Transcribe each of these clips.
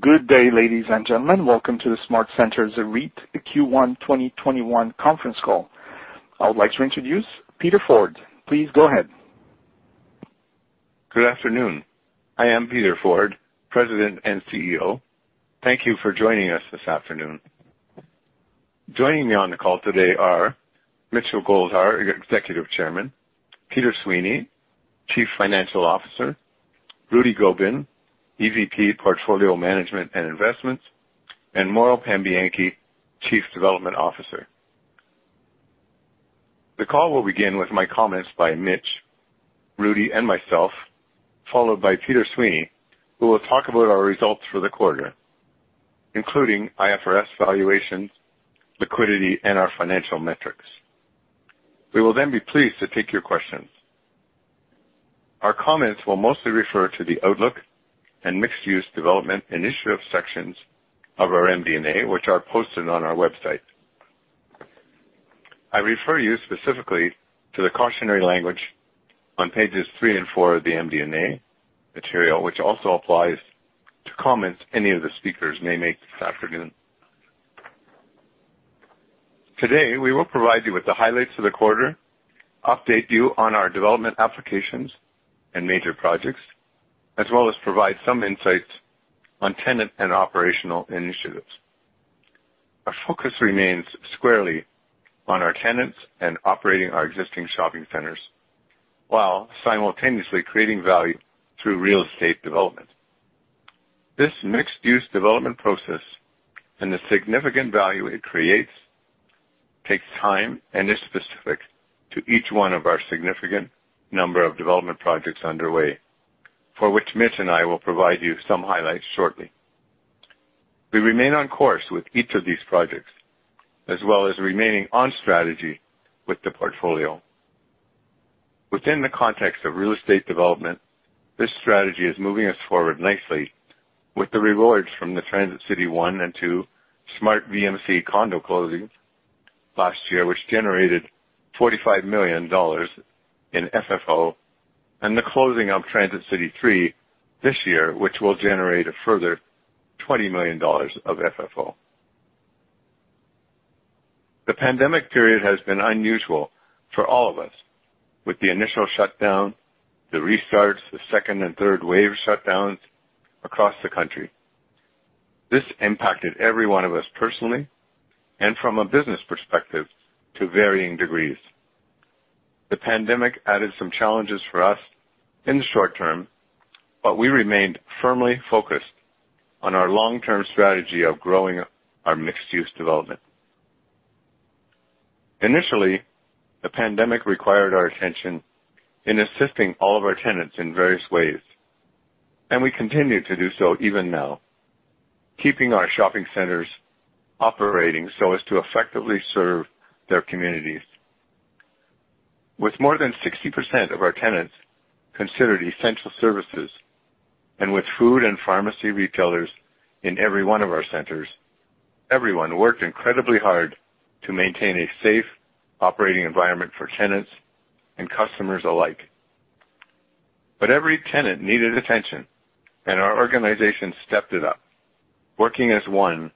Good day, ladies and gentlemen. Welcome to the SmartCentres REIT Q1 2021 conference call. I would like to introduce Peter Forde. Please go ahead. Good afternoon. I am Peter Forde, President and CEO. Thank you for joining us this afternoon. Joining me on the call today are Mitchell Goldhar, Executive Chairman, Peter Sweeney, Chief Financial Officer, Rudy Gobin, EVP, Portfolio Management and Investments, and Mauro Pambianchi, Chief Development Officer. The call will begin with my comments by Mitch, Rudy, and myself, followed by Peter Sweeney, who will talk about our results for the quarter, including IFRS valuations, liquidity, and our financial metrics. We will be pleased to take your questions. Our comments will mostly refer to the outlook and mixed-use development initiative sections of our MD&A, which are posted on our website. I refer you specifically to the cautionary language on pages three and four of the MD&A material, which also applies to comments any of the speakers may make this afternoon. Today, we will provide you with the highlights of the quarter, update you on our development applications and major projects, as well as provide some insights on tenant and operational initiatives. Our focus remains squarely on our tenants and operating our existing shopping centers while simultaneously creating value through real estate development. This mixed-use development process and the significant value it creates takes time and is specific to each one of our significant number of development projects underway, for which Mitch and I will provide you some highlights shortly. We remain on course with each of these projects, as well as remaining on strategy with the portfolio. Within the context of real estate development, this strategy is moving us forward nicely with the rewards from the Transit City 1 and 2, SmartVMC condo closings last year, which generated 45 million dollars in FFO, and the closing of Transit City 3 this year, which will generate a further 20 million dollars of FFO. The pandemic period has been unusual for all of us, with the initial shutdown, the restarts, the second and third wave shutdowns across the country. This impacted every one of us personally and from a business perspective to varying degrees. The pandemic added some challenges for us in the short term, but we remained firmly focused on our long-term strategy of growing our mixed-use development. Initially, the pandemic required our attention in assisting all of our tenants in various ways, and we continue to do so even now, keeping our shopping centers operating so as to effectively serve their communities. With more than 60% of our tenants considered essential services, and with food and pharmacy retailers in every one of our centers, everyone worked incredibly hard to maintain a safe operating environment for tenants and customers alike. Every tenant needed attention, and our organization stepped it up, working as one,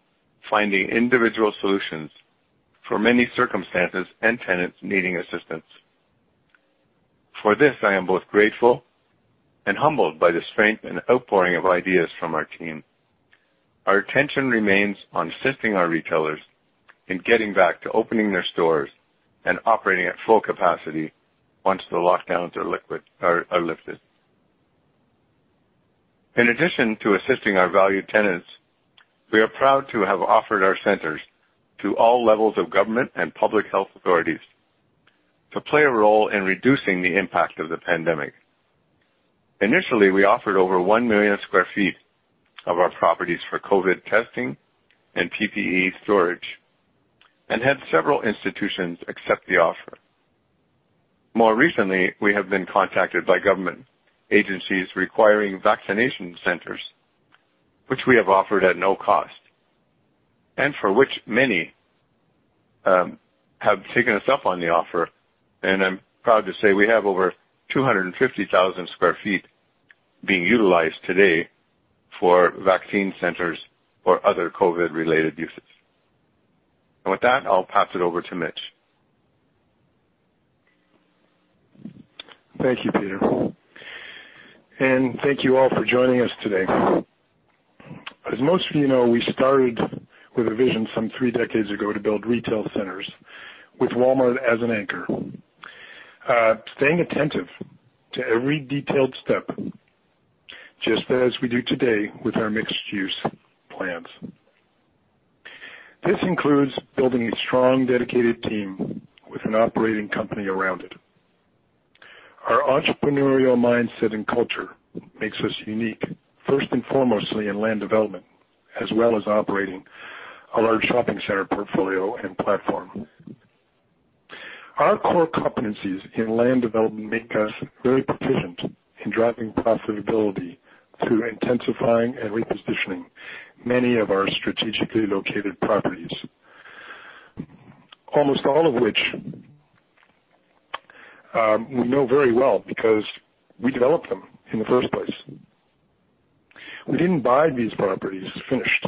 finding individual solutions for many circumstances and tenants needing assistance. For this, I am both grateful and humbled by the strength and outpouring of ideas from our team. Our attention remains on assisting our retailers in getting back to opening their stores and operating at full capacity once the lockdowns are lifted. In addition to assisting our valued tenants, we are proud to have offered our centers to all levels of government and public health authorities to play a role in reducing the impact of the pandemic. Initially, we offered over 1 million sq ft of our properties for COVID testing and PPE storage and had several institutions accept the offer. More recently, we have been contacted by government agencies requiring vaccination centers, which we have offered at no cost, and for which many have taken us up on the offer, and I'm proud to say we have over 250,000 sq ft being utilized today for vaccine centers or other COVID-related uses. With that, I'll pass it over to Mitch. Thank you, Peter. Thank you all for joining us today. As most of you know, we started with a vision some three decades ago to build retail centers with Walmart as an anchor. Staying attentive to every detailed step, just as we do today with our mixed-use plans. This includes building a strong, dedicated team with an operating company around it. Our entrepreneurial mindset and culture makes us unique, first and foremostly in land development, as well as operating a large shopping center portfolio and platform. Our core competencies in land development make us very proficient in driving profitability through intensifying and repositioning many of our strategically located properties, almost all of which we know very well because we developed them in the first place. We didn't buy these properties finished,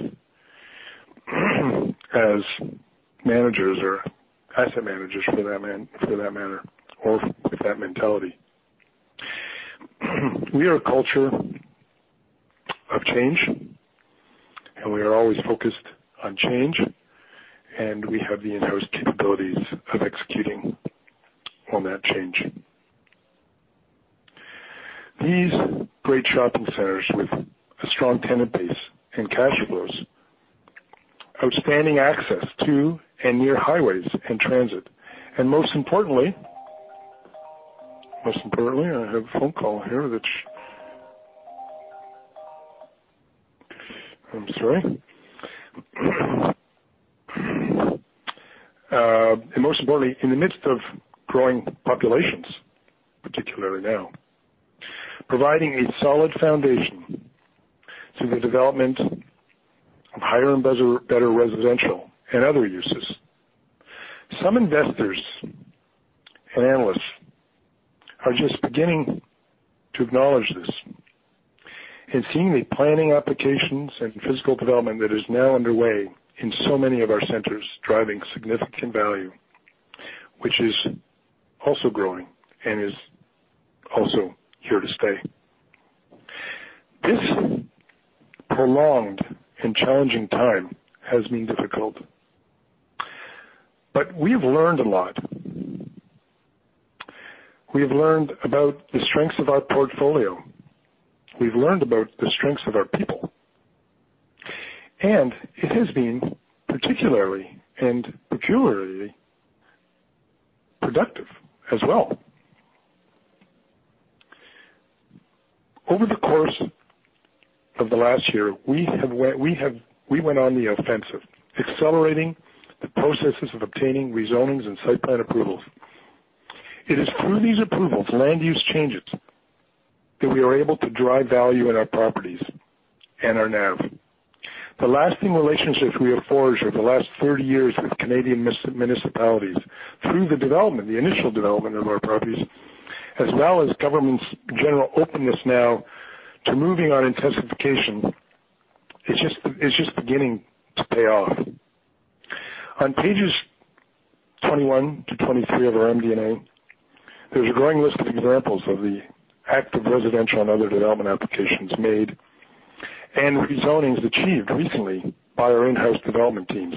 as managers or asset managers, for that matter, or with that mentality. We are a culture of change. We are always focused on change. We have the in-house capabilities of executing on that change. These great shopping centers with a strong tenant base and cash flows, outstanding access to and near highways and transit, and most importantly, I have a phone call here that I'm sorry. Most importantly, in the midst of growing populations, particularly now, providing a solid foundation to the development of higher and better residential and other uses. Some investors and analysts are just beginning to acknowledge this and seeing the planning applications and physical development that is now underway in so many of our centers driving significant value, which is also growing and is also here to stay. This prolonged and challenging time has been difficult. We've learned a lot. We have learned about the strengths of our portfolio, we've learned about the strengths of our people. It has been particularly and peculiarly productive as well. Over the course of the last year, we went on the offensive, accelerating the processes of obtaining rezonings and site plan approvals. It is through these approvals, land use changes, that we are able to drive value in our properties and our NAV. The lasting relationships we have forged over the last 30 years with Canadian municipalities through the development, the initial development of our properties, as well as government's general openness now to moving on intensification, is just beginning to pay off. On pages 21 to 23 of our MD&A, there's a growing list of examples of the active residential and other development applications made and rezonings achieved recently by our in-house development teams.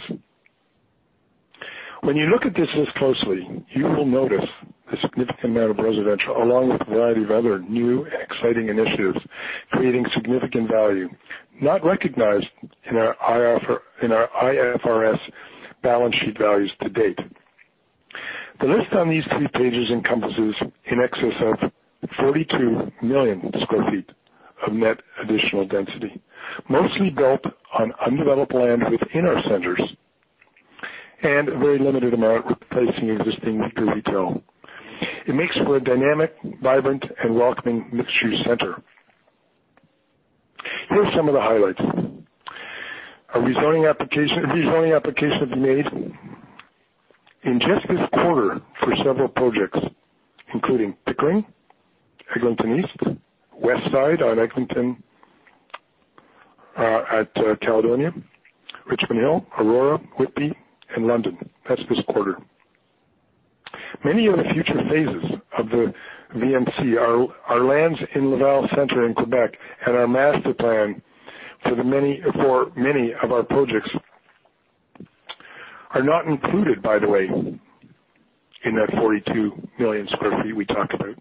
When you look at this list closely, you will notice a significant amount of residential, along with a variety of other new and exciting initiatives creating significant value, not recognized in our IFRS balance sheet values to date. The list on these three pages encompasses in excess of 42 million sq ft of net additional density, mostly built on undeveloped land within our centers, and a very limited amount replacing existing retail. It makes for a dynamic, vibrant, and welcoming mixed-use center. Here are some of the highlights. A rezoning application has been made in just this quarter for several projects, including Pickering, Eglinton East, Westside on Eglinton at Caledonia, Richmond Hill, Aurora, Whitby, and London. That's this quarter. Many of the future phases of the VMC are lands in Laval Centre in Quebec. Our master plan for many of our projects are not included, by the way, in that 42 million sq ft we talked about.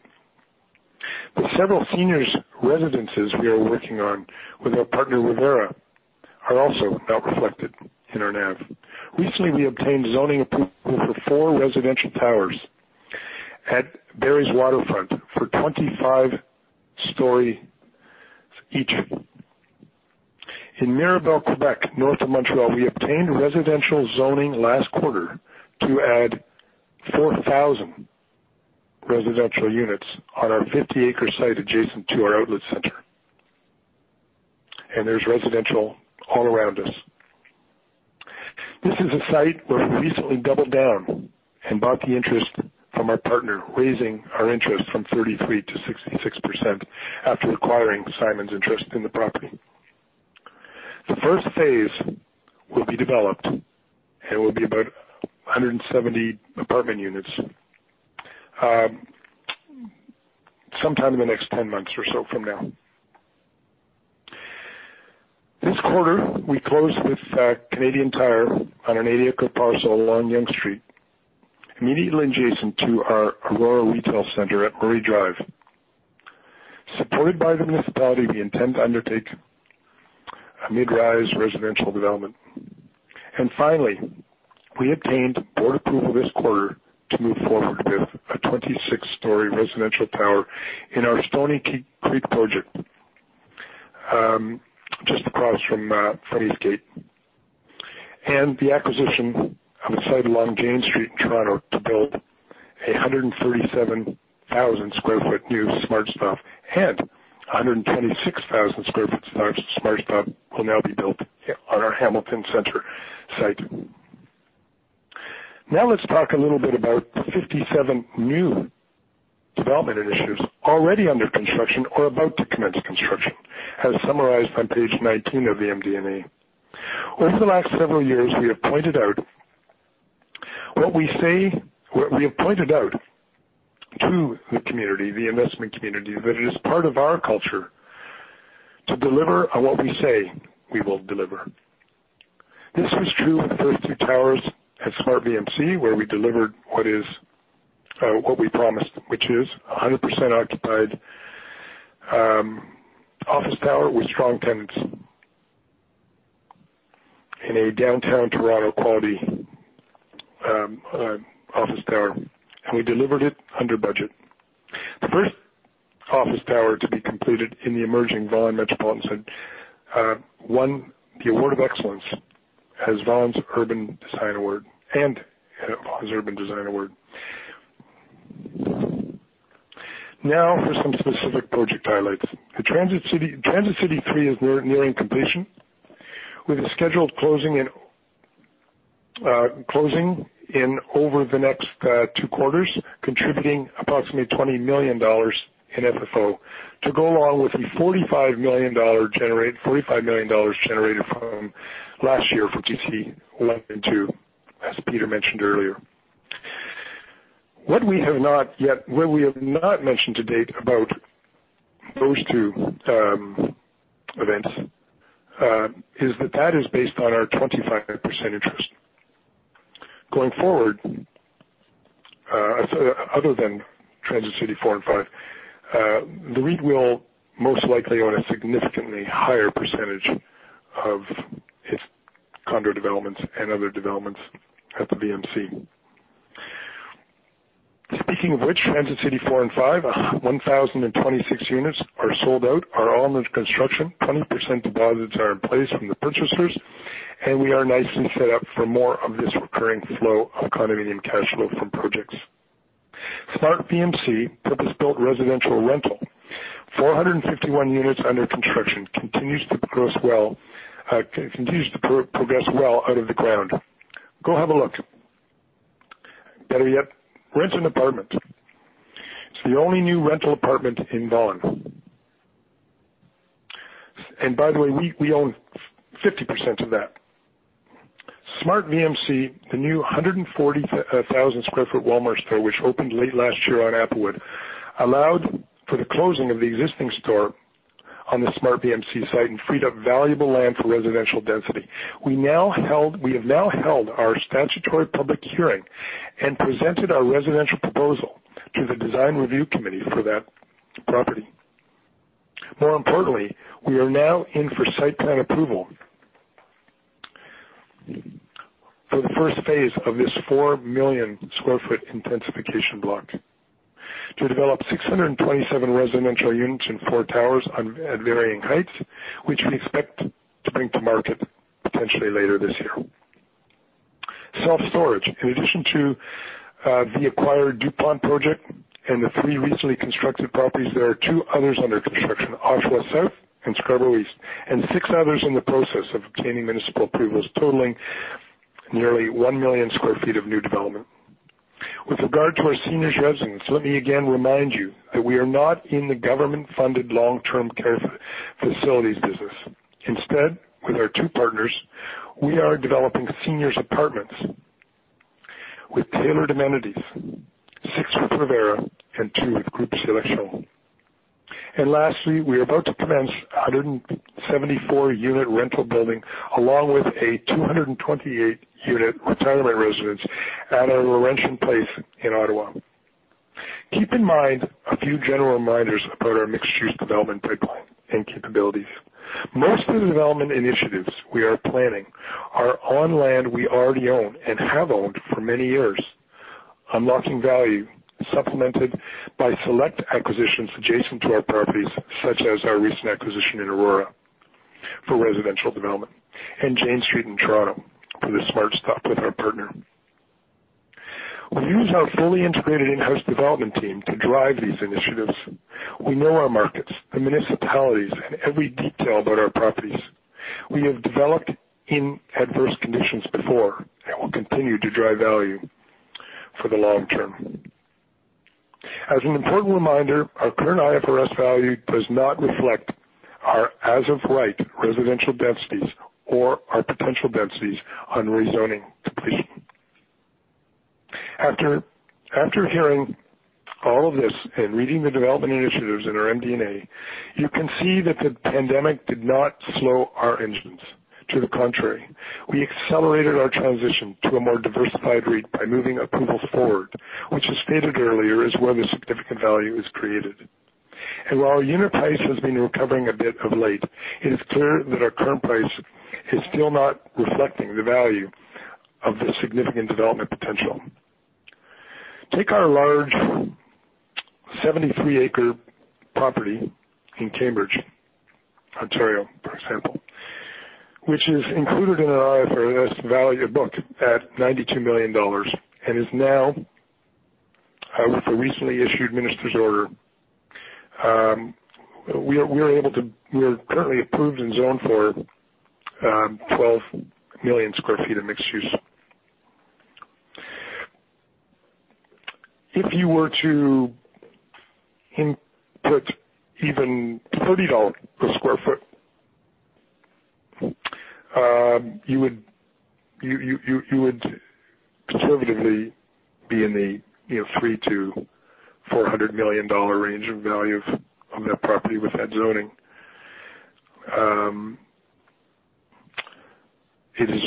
The several seniors residences we are working on with our partner, Revera, are also not reflected in our NAV. Recently, we obtained zoning approval for four residential towers at Barrie's Waterfront for 25 stories each. In Mirabel, Quebec, north of Montreal, we obtained residential zoning last quarter to add 4,000 residential units on our 50-acre site adjacent to our outlet center. There's residential all around us. This is a site where we recently doubled down and bought the interest from our partner, raising our interest from 33% to 66% after acquiring Simon's interest in the property. The first phase will be developed, and will be about 170 apartment units, sometime in the next 10 months or so from now. This quarter, we closed with Canadian Tire on an eight-acre parcel along Yonge Street, immediately adjacent to our Aurora retail center at Murray Drive. Supported by the municipality, we intend to undertake a mid-rise residential development. Finally, we obtained board approval this quarter to move forward with a 26-story residential tower in our Stoney Creek project, just across from Eastgate. The acquisition of a site along Jane Street in Toronto to build a 137,000 sq ft new SmartCentres and 126,000 sq ft SmartCentres will now be built on our Hamilton Center site. Now let's talk a little bit about 57 new development initiatives already under construction or about to commence construction, as summarized on page 19 of the MD&A. Over the last several years, we have pointed out to the investment community that it is part of our culture to deliver on what we say we will deliver. This was true of the first two towers at SmartVMC, where we delivered what we promised, which is 100% occupied office tower with strong tenants in a downtown Toronto quality office tower, and we delivered it under budget. The first office tower to be completed in the emerging Vaughan Metropolitan Centre won the Award of Excellence and Vaughan Urban Design Awards. Now for some specific project highlights. The Transit City 3 is nearing completion with a scheduled closing in over the next two quarters, contributing approximately 20 million dollars in FFO to go along with the 45 million dollars generated from last year for Transit City 1 and 2, as Peter mentioned earlier. What we have not mentioned to date about those two events is that that is based on our 25% interest. Other than Transit City 4 and 5, the REIT will most likely own a significantly higher percentage of its condo developments and other developments at the VMC. Transit City 4 and 5, 1,026 units are sold out, are all under construction, 20% deposits are in place from the purchasers. We are nicely set up for more of this recurring flow of condominium cash flow from projects. SmartVMC, purpose-built residential rental, 451 units under construction, continues to progress well out of the ground. Go have a look. Better yet, rent an apartment. It's the only new rental apartment in Vaughan. By the way, we own 50% of that. SmartVMC, the new 140,000 sq ft Walmart store, which opened late last year on Applewood, allowed for the closing of the existing store on the SmartVMC site and freed up valuable land for residential density. We have now held our statutory public hearing and presented our residential proposal to the Design Review Panel for that property. More importantly, we are now in for site plan approval for the first phase of this 4 million sq ft intensification block to develop 627 residential units in four towers at varying heights, which we expect to bring to market potentially later this year. Self-storage. In addition to the acquired Dupont project and the three recently constructed properties, there are two others under construction, Oshawa South and Scarborough East, and six others in the process of obtaining municipal approvals, totaling nearly 1 million sq ft of new development. With regard to our seniors residence, let me again remind you that we are not in the government-funded long-term care facilities business. Instead, with our two partners, we are developing seniors apartments with tailored amenities, six with Revera and two with Groupe Sélection. Lastly, we are about to commence 174-unit rental building, along with a 228-unit retirement residence at our Laurentian Place in Ottawa. Keep in mind a few general reminders about our mixed-use development pipeline and capabilities. Most of the development initiatives we are planning are on land we already own and have owned for many years, unlocking value supplemented by select acquisitions adjacent to our properties, such as our recent acquisition in Aurora for residential development and Jane Street in Toronto for the SmartStop with our partner. We use our fully integrated in-house development team to drive these initiatives. We know our markets, the municipalities, and every detail about our properties. We have developed in adverse conditions before and will continue to drive value for the long term. As an important reminder, our current IFRS value does not reflect our as-of-right residential densities or our potential densities on rezoning completion. After hearing all of this and reading the development initiatives in our MD&A, you can see that the pandemic did not slow our engines. To the contrary, we accelerated our transition to a more diversified REIT by moving approvals forward, which, as stated earlier, is where the significant value is created. While our unit price has been recovering a bit of late, it is clear that our current price is still not reflecting the value of the significant development potential. Take our large 73-acre property in Cambridge, Ontario, for example, which is included in our IFRS value book at CAD 92 million and is now with the recently issued minister's order, we are currently approved and zoned for 12 million sq ft of mixed use. If you were to input even CAD 30 per sq ft, you would conservatively be in the 300 million-400 million dollar range of value of that property with that zoning. It is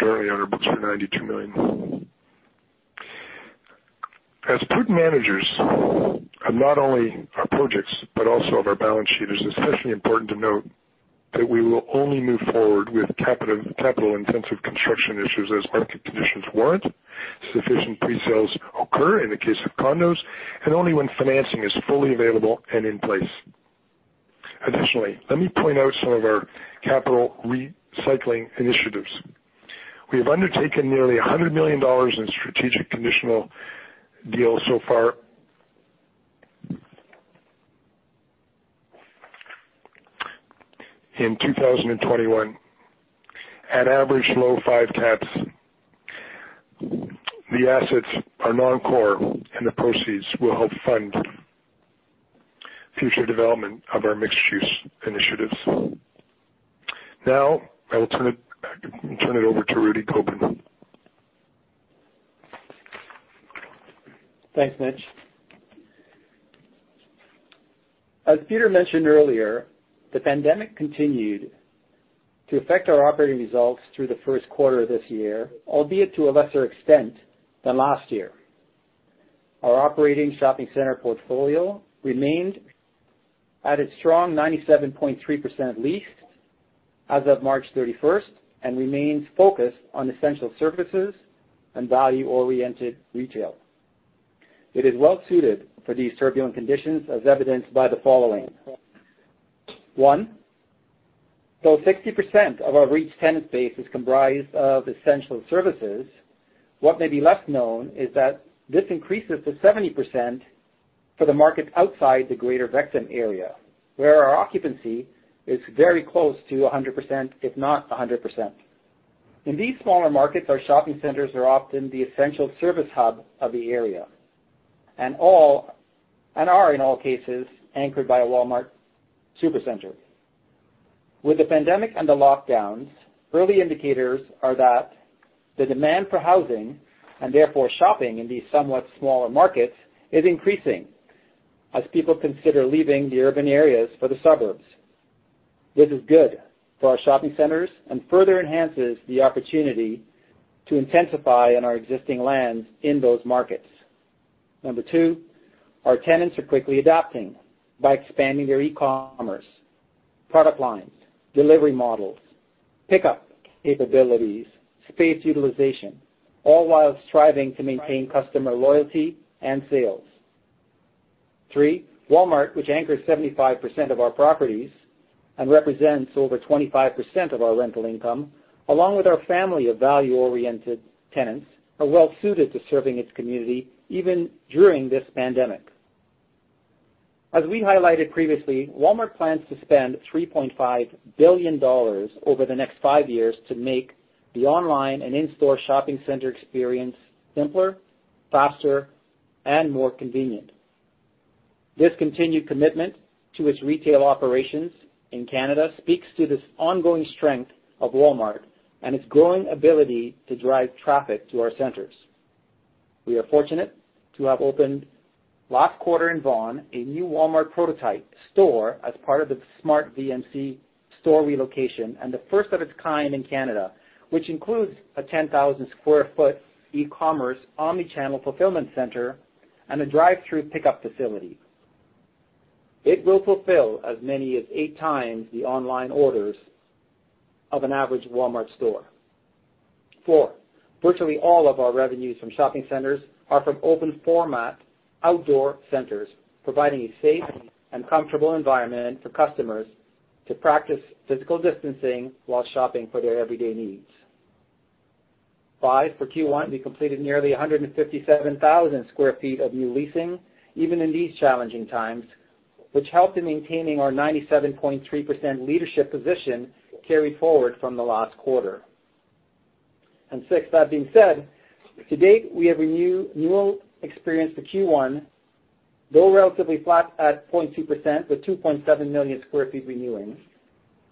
currently on our books for 92 million. As prudent managers of not only our projects but also of our balance sheet, it is especially important to note that we will only move forward with capital intensive construction issues as market conditions warrant, sufficient pre-sales occur in the case of condos, and only when financing is fully available and in place. Additionally, let me point out some of our capital recycling initiatives. We have undertaken nearly 100 million dollars in strategic conditional deals so far in 2021 at average low five caps. The assets are non-core, and the proceeds will help fund future development of our mixed-use initiatives. Now, I will turn it over to Rudy Gobin. Thanks, Mitch. As Peter mentioned earlier, the pandemic continued to affect our operating results through the first quarter of this year, albeit to a lesser extent than last year. Our operating shopping center portfolio remained at its strong 97.3% leased as of March 31st and remains focused on essential services and value-oriented retail. It is well suited for these turbulent conditions as evidenced by the following. One, though 60% of our REIT tenant base is comprised of essential services, what may be less known is that this increases to 70% for the markets outside the greater Vaughan area, where our occupancy is very close to 100%, if not 100%. In these smaller markets, our shopping centers are often the essential service hub of the area and are in all cases anchored by a Walmart Supercenter. With the pandemic and the lockdowns, early indicators are that the demand for housing, and therefore shopping in these somewhat smaller markets, is increasing as people consider leaving the urban areas for the suburbs. This is good for our shopping centers and further enhances the opportunity to intensify on our existing lands in those markets. Two, our tenants are quickly adapting by expanding their e-commerce, product lines, delivery models, pickup capabilities, space utilization, all while striving to maintain customer loyalty and sales. Three, Walmart, which anchors 75% of our properties and represents over 25% of our rental income, along with our family of value oriented tenants, are well suited to serving its community even during this pandemic. As we highlighted previously, Walmart plans to spend 3.5 billion dollars over the next five years to make the online and in-store shopping center experience simpler, faster, and more convenient. This continued commitment to its retail operations in Canada speaks to this ongoing strength of Walmart and its growing ability to drive traffic to our centers. We are fortunate to have opened last quarter in Vaughan, a new Walmart prototype store as part of the SmartVMC store relocation and the first of its kind in Canada, which includes a 10,000 square foot e-commerce omni-channel fulfillment center and a drive-thru pickup facility. It will fulfill as many as eight times the online orders of an average Walmart store. Four, virtually all of our revenues from shopping centers are from open format outdoor centers, providing a safe and comfortable environment for customers to practice physical distancing while shopping for their everyday needs. Five, for Q1, we completed nearly 157,000 sq ft of new leasing, even in these challenging times, which helped in maintaining our 97.3% leadership position carried forward from the last quarter. Six, that being said, to date, we have renewal experienced for Q1, though relatively flat at 0.2% with 2.7 million sq ft renewing,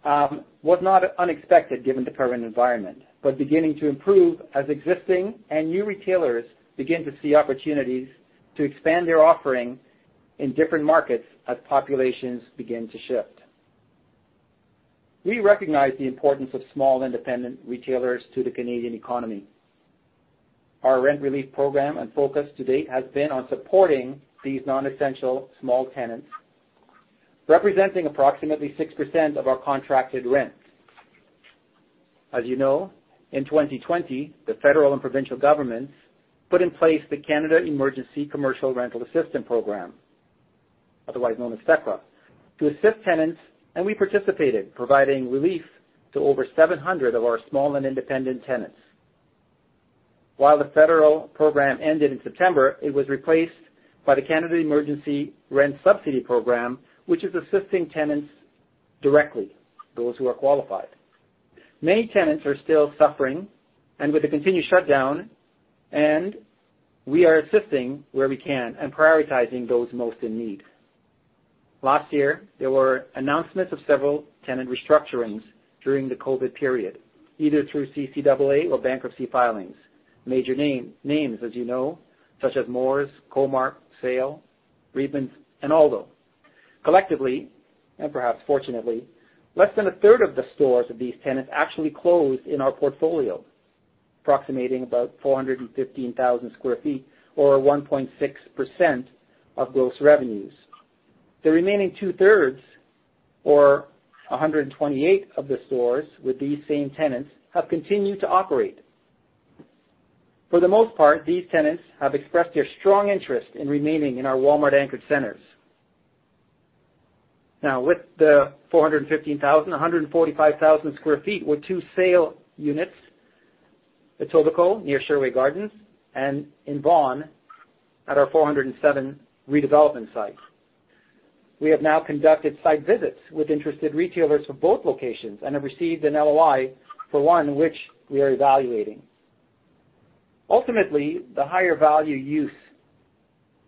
was not unexpected given the current environment, but beginning to improve as existing and new retailers begin to see opportunities to expand their offering in different markets as populations begin to shift. We recognize the importance of small independent retailers to the Canadian economy. Our rent relief program and focus to date has been on supporting these non-essential small tenants, representing approximately 6% of our contracted rents. As you know, in 2020, the federal and provincial governments put in place the Canada Emergency Commercial Rent Assistance program. Otherwise known as CECRA, we participated, providing relief to over 700 of our small and independent tenants. While the federal program ended in September, it was replaced by the Canada Emergency Rent Subsidy Program, which is assisting tenants directly, those who are qualified. Many tenants are still suffering, with the continued shutdown, and we are assisting where we can and prioritizing those most in need. Last year, there were announcements of several tenant restructurings during the COVID period, either through CCAA or bankruptcy filings. Major names, as you know, such as Moores, Comark, SAIL, Reitmans, and Aldo. Collectively, perhaps fortunately, less than a third of the stores of these tenants actually closed in our portfolio, approximating about 415,000 sq ft or 1.6% of gross revenues. The remaining 2/3 or 128 of the stores with these same tenants have continued to operate. For the most part, these tenants have expressed their strong interest in remaining in our Walmart anchored centers. With the 415,000 sq ft, 145,000 sq ft were two SAIL units, Etobicoke near Sherway Gardens and in Vaughan at our 407 redevelopment site. We have now conducted site visits with interested retailers for both locations and have received an LOI for one which we are evaluating. Ultimately, the higher value use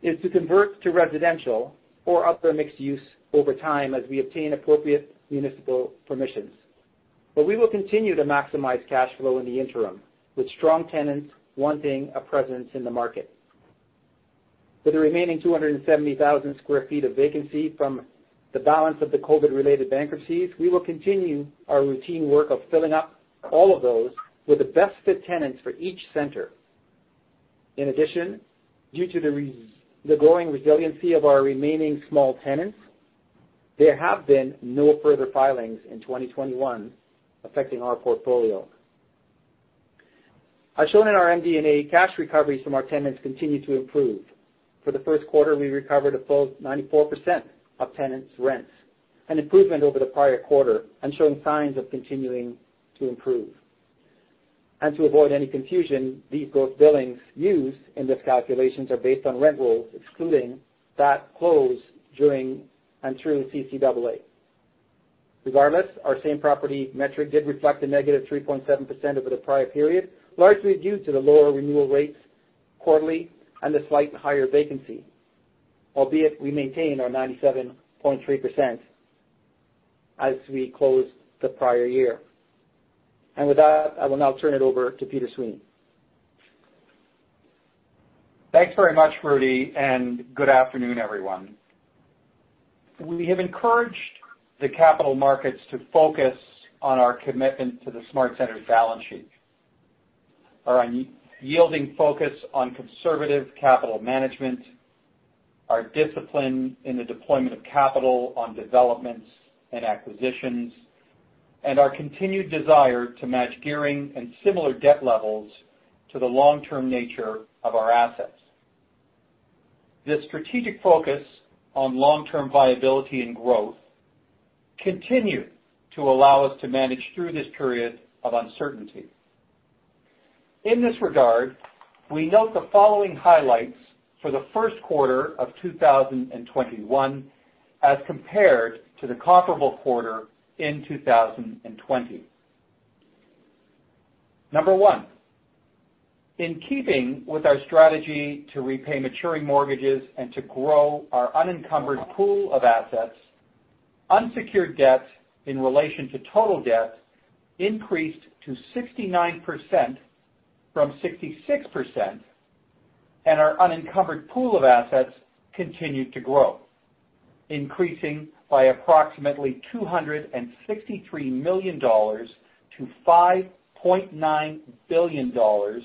is to convert to residential or other mixed use over time as we obtain appropriate municipal permissions. We will continue to maximize cash flow in the interim with strong tenants wanting a presence in the market. For the remaining 270,000 sq ft of vacancy from the balance of the COVID-related bankruptcies, we will continue our routine work of filling up all of those with the best fit tenants for each center. In addition, due to the growing resiliency of our remaining small tenants, there have been no further filings in 2021 affecting our portfolio. As shown in our MD&A, cash recoveries from our tenants continue to improve. For the first quarter, we recovered a full 94% of tenants' rents, an improvement over the prior quarter and showing signs of continuing to improve. To avoid any confusion, these gross billings used in these calculations are based on rent rolls, excluding that closed during and through CCAA. Regardless, our same property metric did reflect a negative 3.7% over the prior period, largely due to the lower renewal rates quarterly and the slight higher vacancy. Albeit, we maintain our 97.3% as we closed the prior year. With that, I will now turn it over to Peter Sweeney. Thanks very much, Rudy, and good afternoon, everyone. We have encouraged the capital markets to focus on our commitment to the SmartCentres balance sheet, our yielding focus on conservative capital management, our discipline in the deployment of capital on developments and acquisitions, and our continued desire to match gearing and similar debt levels to the long-term nature of our assets. This strategic focus on long-term viability and growth continue to allow us to manage through this period of uncertainty. In this regard, we note the following highlights for the first quarter of 2021 as compared to the comparable quarter in 2020. Number one, in keeping with our strategy to repay maturing mortgages and to grow our unencumbered pool of assets, unsecured debt in relation to total debt increased to 69% from 66%, and our unencumbered pool of assets continued to grow, increasing by approximately 263 million dollars to 5.9 billion dollars.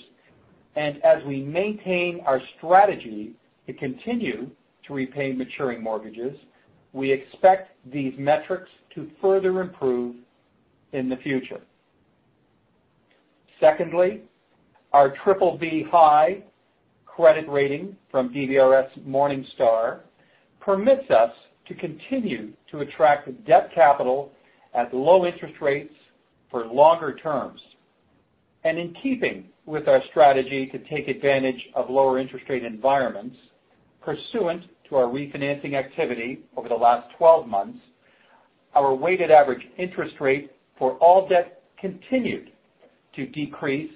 As we maintain our strategy to continue to repay maturing mortgages, we expect these metrics to further improve in the future. Secondly, our triple B high credit rating from DBRS Morningstar permits us to continue to attract debt capital at low interest rates for longer terms. In keeping with our strategy to take advantage of lower interest rate environments pursuant to our refinancing activity over the last 12 months, our weighted average interest rate for all debt continued to decrease,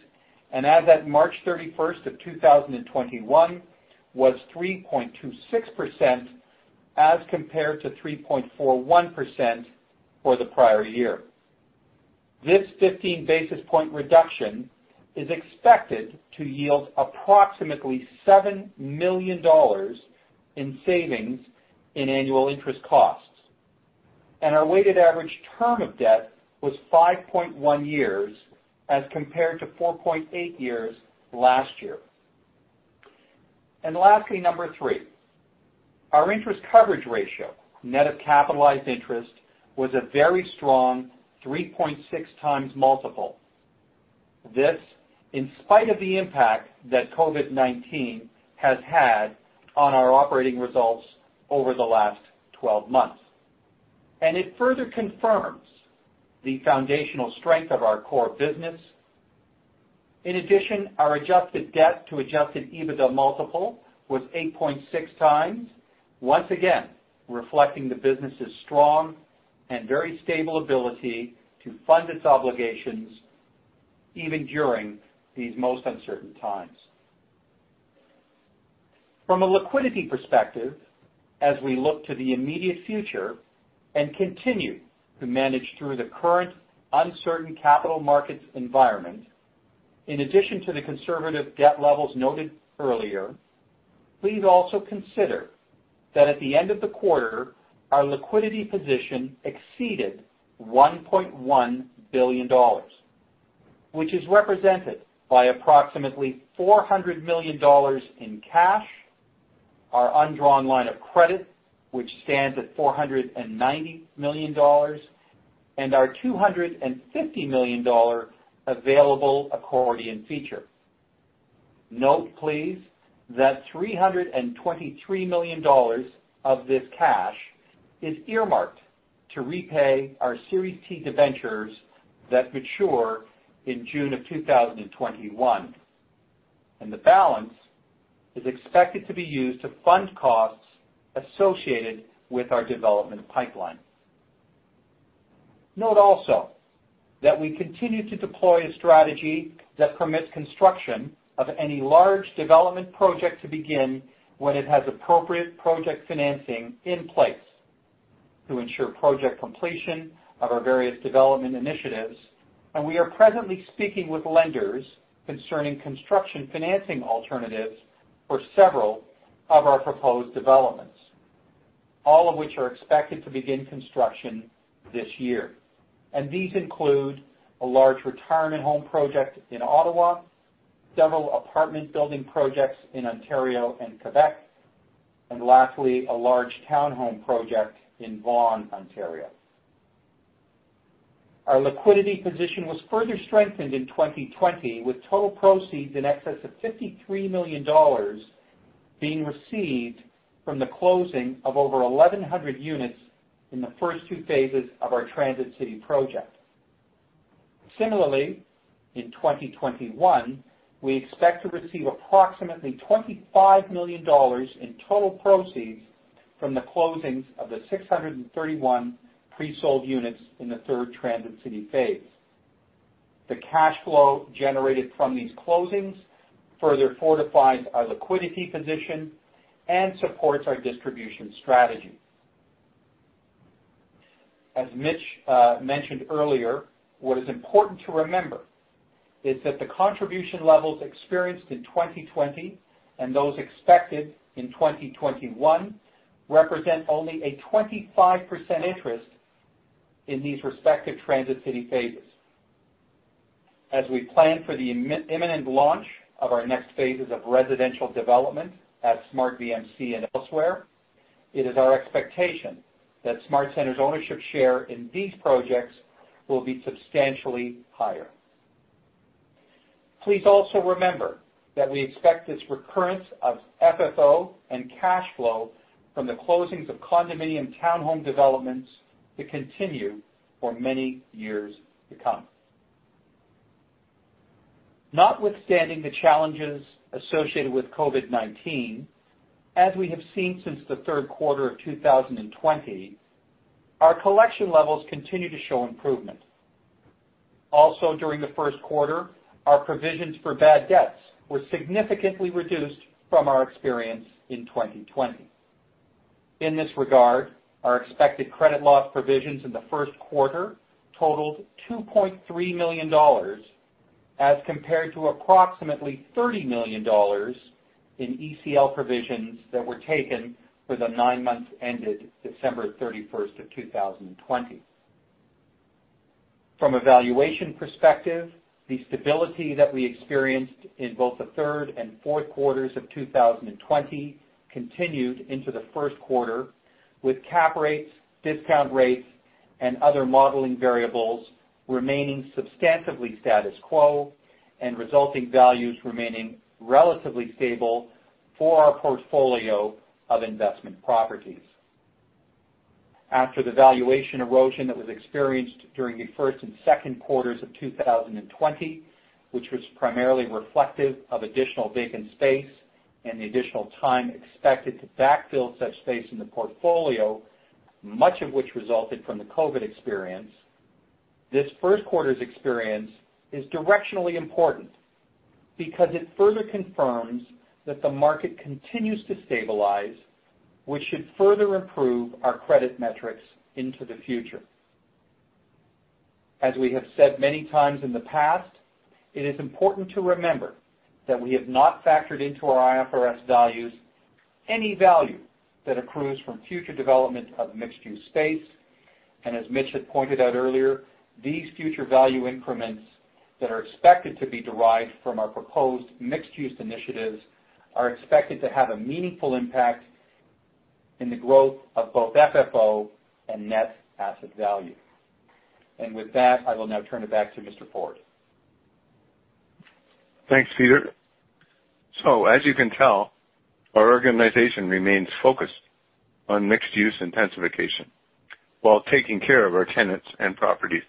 and as at March 31, 2021 was 3.26% as compared to 3.41% for the prior year. This 15 basis point reduction is expected to yield approximately 7 million dollars in savings in annual interest costs. Our weighted average term of debt was 5.1 years as compared to 4.8 years last year. Lastly, number three, our interest coverage ratio, net of capitalized interest, was a very strong 3.6x multiple. This, in spite of the impact that COVID-19 has had on our operating results over the last 12 months. It further confirms the foundational strength of our core business. In addition, our adjusted debt to adjusted EBITDA multiple was 8.6x, once again, reflecting the business's strong and very stable ability to fund its obligations even during these most uncertain times. From a liquidity perspective, as we look to the immediate future and continue to manage through the current uncertain capital markets environment, in addition to the conservative debt levels noted earlier, please also consider that at the end of the quarter, our liquidity position exceeded 1.1 billion dollars, which is represented by approximately 400 million dollars in cash, our undrawn line of credit, which stands at 490 million dollars, and our 250 million dollar available accordion feature. Note, please, that 323 million dollars of this cash is earmarked to repay our Series T debentures that mature in June 2021. The balance is expected to be used to fund costs associated with our development pipeline. Note also, that we continue to deploy a strategy that permits construction of any large development project to begin when it has appropriate project financing in place to ensure project completion of our various development initiatives. We are presently speaking with lenders concerning construction financing alternatives for several of our proposed developments, all of which are expected to begin construction this year. These include a large retirement home project in Ottawa, several apartment building projects in Ontario and Quebec, and lastly, a large town home project in Vaughan, Ontario. Our liquidity position was further strengthened in 2020 with total proceeds in excess of 53 million dollars being received from the closing of over 1,100 units in the first two phases of our Transit City project. Similarly, in 2021, we expect to receive approximately 25 million dollars in total proceeds from the closings of the 631 pre-sold units in the 3rd Transit City phase. The cash flow generated from these closings further fortifies our liquidity position and supports our distribution strategy. As Mitch mentioned earlier, what is important to remember is that the contribution levels experienced in 2020 and those expected in 2021 represent only a 25% interest in these respective Transit City phases. As we plan for the imminent launch of our next phases of residential development at SmartVMC and elsewhere, it is our expectation that SmartCentres' ownership share in these projects will be substantially higher. Please also remember that we expect this recurrence of FFO and cash flow from the closings of condominium town home developments to continue for many years to come. Notwithstanding the challenges associated with COVID-19, as we have seen since the third quarter of 2020, our collection levels continue to show improvement. Also during the first quarter, our provisions for bad debts were significantly reduced from our experience in 2020. In this regard, our expected credit loss provisions in the first quarter totaled 2.3 million dollars as compared to approximately 30 million dollars in ECL provisions that were taken for the nine months ended in December 31st 2020. From a valuation perspective, the stability that we experienced in both the third and fourth quarters of 2020 continued into the first quarter with cap rates, discount rates, and other modeling variables remaining substantively status quo, and resulting values remaining relatively stable for our portfolio of investment properties. After the valuation erosion that was experienced during the first and second quarters of 2020, which was primarily reflective of additional vacant space and the additional time expected to backfill such space in the portfolio, much of which resulted from the COVID experience, this first quarter's experience is directionally important because it further confirms that the market continues to stabilize, which should further improve our credit metrics into the future. As we have said many times in the past, it is important to remember that we have not factored into our IFRS values any value that accrues from future development of mixed-use space. As Mitch had pointed out earlier, these future value increments that are expected to be derived from our proposed mixed-use initiatives are expected to have a meaningful impact. In the growth of both FFO and net asset value. With that, I will now turn it back to Peter Forde. Thanks, Peter. As you can tell, our organization remains focused on mixed-use intensification while taking care of our tenants and properties.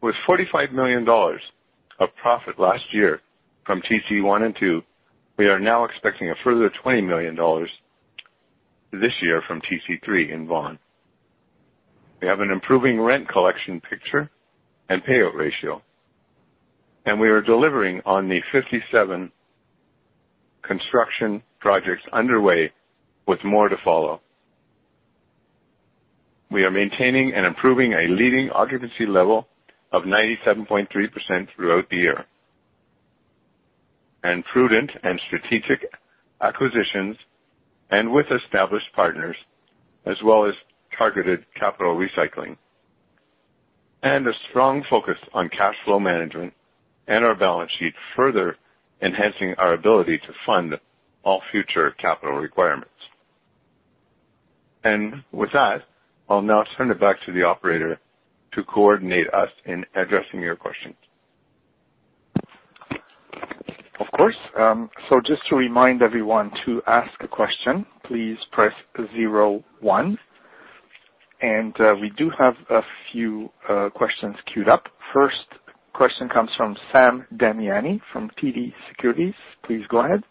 With 45 million dollars of profit last year from TC 1 and 2, we are now expecting a further 20 million dollars this year from TC 3 in Vaughan. We have an improving rent collection picture and payout ratio. We are delivering on the 57 construction projects underway with more to follow. We are maintaining and improving a leading occupancy level of 97.3% throughout the year. Prudent and strategic acquisitions and with established partners, as well as targeted capital recycling and a strong focus on cash flow management and our balance sheet, further enhancing our ability to fund all future capital requirements. With that, I'll now turn it back to the operator to coordinate us in addressing your questions. Of course. Just to remind everyone, to ask a question, please press zero one. We do have a few questions queued up. First question comes from Sam Damiani from TD Securities. Please go ahead.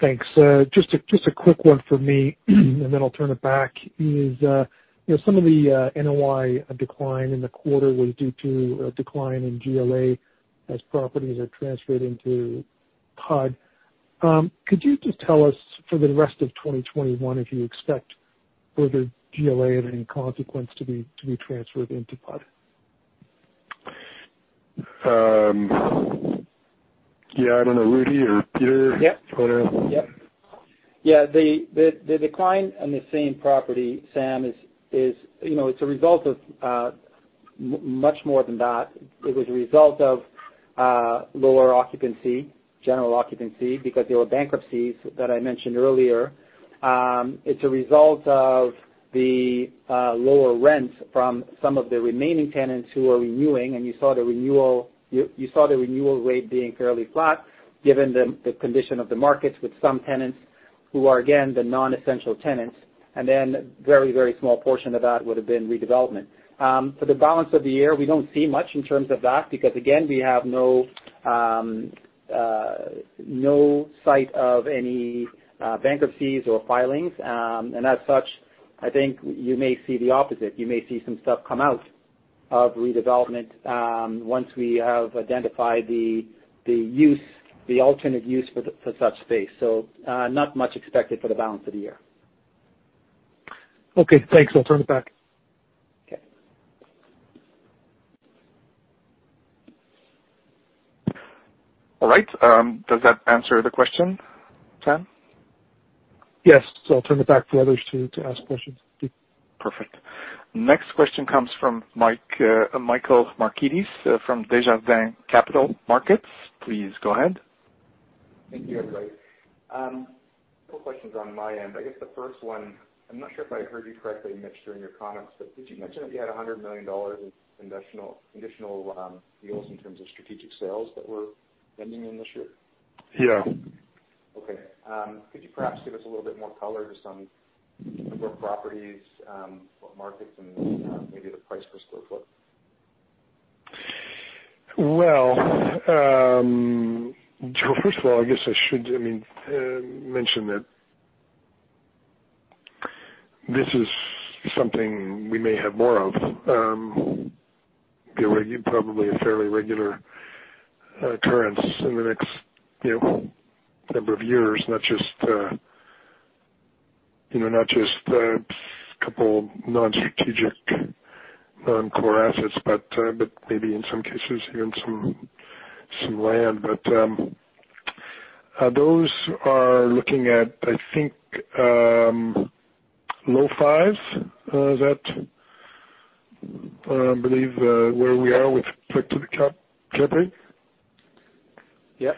Thanks. Just a quick one for me and then I'll turn it back, is some of the NOI decline in the quarter was due to a decline in GLA as properties are transferred into PUD. Could you just tell us for the rest of 2021 if you expect further GLA of any consequence to be transferred into PUD? Yeah. I don't know, Rudy or Peter? Yep. Do you want to. Yeah, the decline on the same property, Sam, it's a result of much more than that. It was a result of lower occupancy, general occupancy, because there were bankruptcies that I mentioned earlier. It's a result of the lower rents from some of the remaining tenants who are renewing, you saw the renewal rate being fairly flat given the condition of the markets with some tenants who are, again, the non-essential tenants. Very small portion of that would have been redevelopment. For the balance of the year, we don't see much in terms of that, because again, we have no sight of any bankruptcies or filings. As such, I think you may see the opposite. You may see some stuff come out of redevelopment once we have identified the alternate use for such space. Not much expected for the balance of the year. Okay, thanks. I'll turn it back. Okay. All right. Does that answer the question, Sam? Yes. I'll turn it back for others to ask questions. Perfect. Next question comes from Michael Markidis from Desjardins Capital Markets. Please go ahead. Thank you, everybody. A couple of questions on my end. I guess the first one, I'm not sure if I heard you correctly, Mitch, during your comments, did you mention that you had 100 million dollars in additional deals in terms of strategic sales that were pending in this year? Yeah. Okay. Could you perhaps give us a little bit more color just on the number of properties, what markets, and maybe the price per square foot? Well, first of all, I guess I should mention that this is something we may have more of. It would be probably a fairly regular occurrence in the next number of years, not just a couple non-strategic, non-core assets, but maybe in some cases, even some land. Those are looking at, I think, low fives. Is that, I believe, where we are with respect to the cap rate? Yep.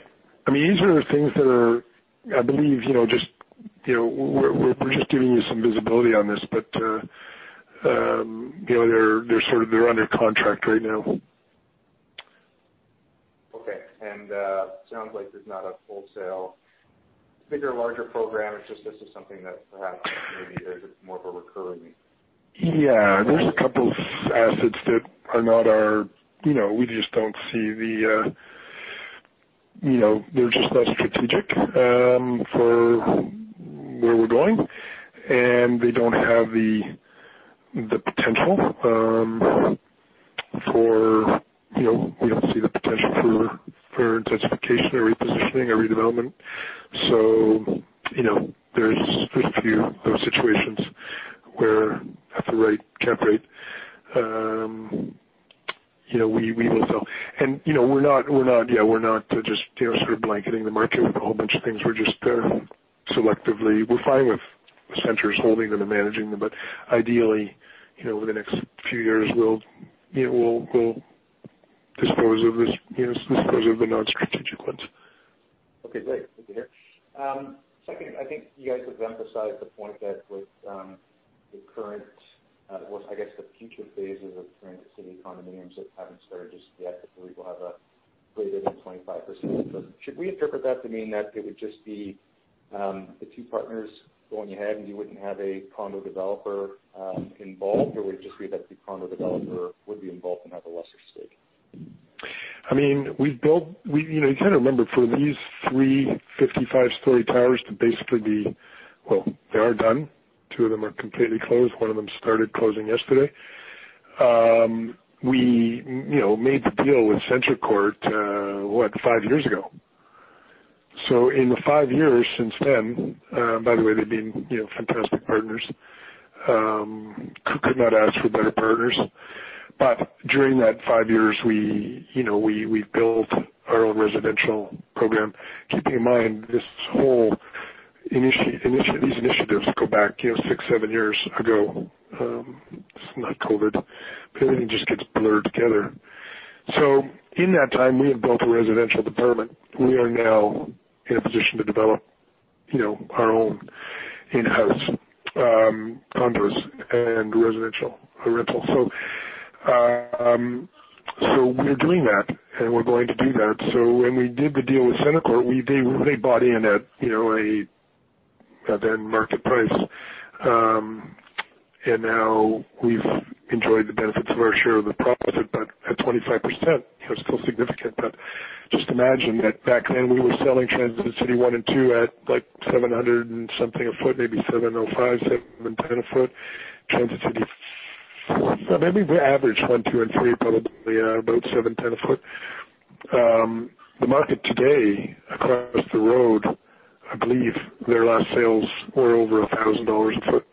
These are things that are, I believe, we're just giving you some visibility on this, but they're under contract right now. Okay. Sounds like there's not a wholesale bigger, larger program. It's just this is something that perhaps maybe is more of a recurring. Yeah. There's a couple assets that we just don't see. They're just not strategic for where we're going, and they don't have the potential for intensification or repositioning or redevelopment. There's a few of those situations where at the cap rate, we will sell. We're not just blanketing the market with a whole bunch of things. We're just selectively. We're fine with SmartCentres holding them and managing them, but ideally, within the next few years, we'll dispose of this. Yes, dispose of the non-strategic ones. Okay, great. Thank you. Second, I think you guys have emphasized the point that with the current, well, I guess the future phases of Transit City condominiums that haven't started just yet, the REIT will have a greater than 25%. Should we interpret that to mean that it would just be the two partners going ahead, and you wouldn't have a condo developer involved, or would it just be that the condo developer would be involved and have a lesser stake? You kind of remember for these three 55-story towers. Well, they are done. Two of them are completely closed. One of them started closing yesterday. We made the deal with CentreCourt, what, five years ago. In the five years since then, by the way, they've been fantastic partners. Could not ask for better partners. During that five years, we've built our own residential program. Keeping in mind, these initiatives go back six, seven years ago. It's not COVID. Everything just gets blurred together. In that time, we have built a residential department. We are now in a position to develop our own in-house condos and residential rentals. We're doing that, and we're going to do that. When we did the deal with CentreCourt, they bought in at then market price. Now we've enjoyed the benefits of our share of the profit, but at 25%, still significant. Just imagine that back then, we were selling Transit City 1 and 2 at 700 and something a foot, maybe 705, 710 a foot. Transit City 4, maybe we average one, two, and three, probably about 710 a foot. The market today across the road, I believe their last sales were over 1,000 dollars a foot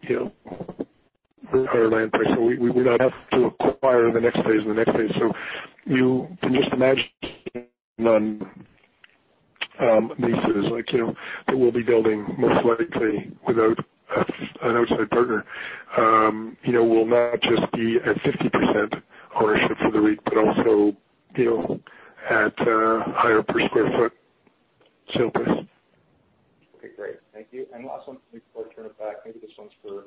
to our land price. We now have to acquire the next phase and the next phase. You can just imagine on pieces that we'll be building most likely without an outside partner. We'll not just be at 50% ownership for the REIT, but also deal at higher per square foot sale price. Okay, great. Thank you. Last one before I turn it back. Maybe this one's for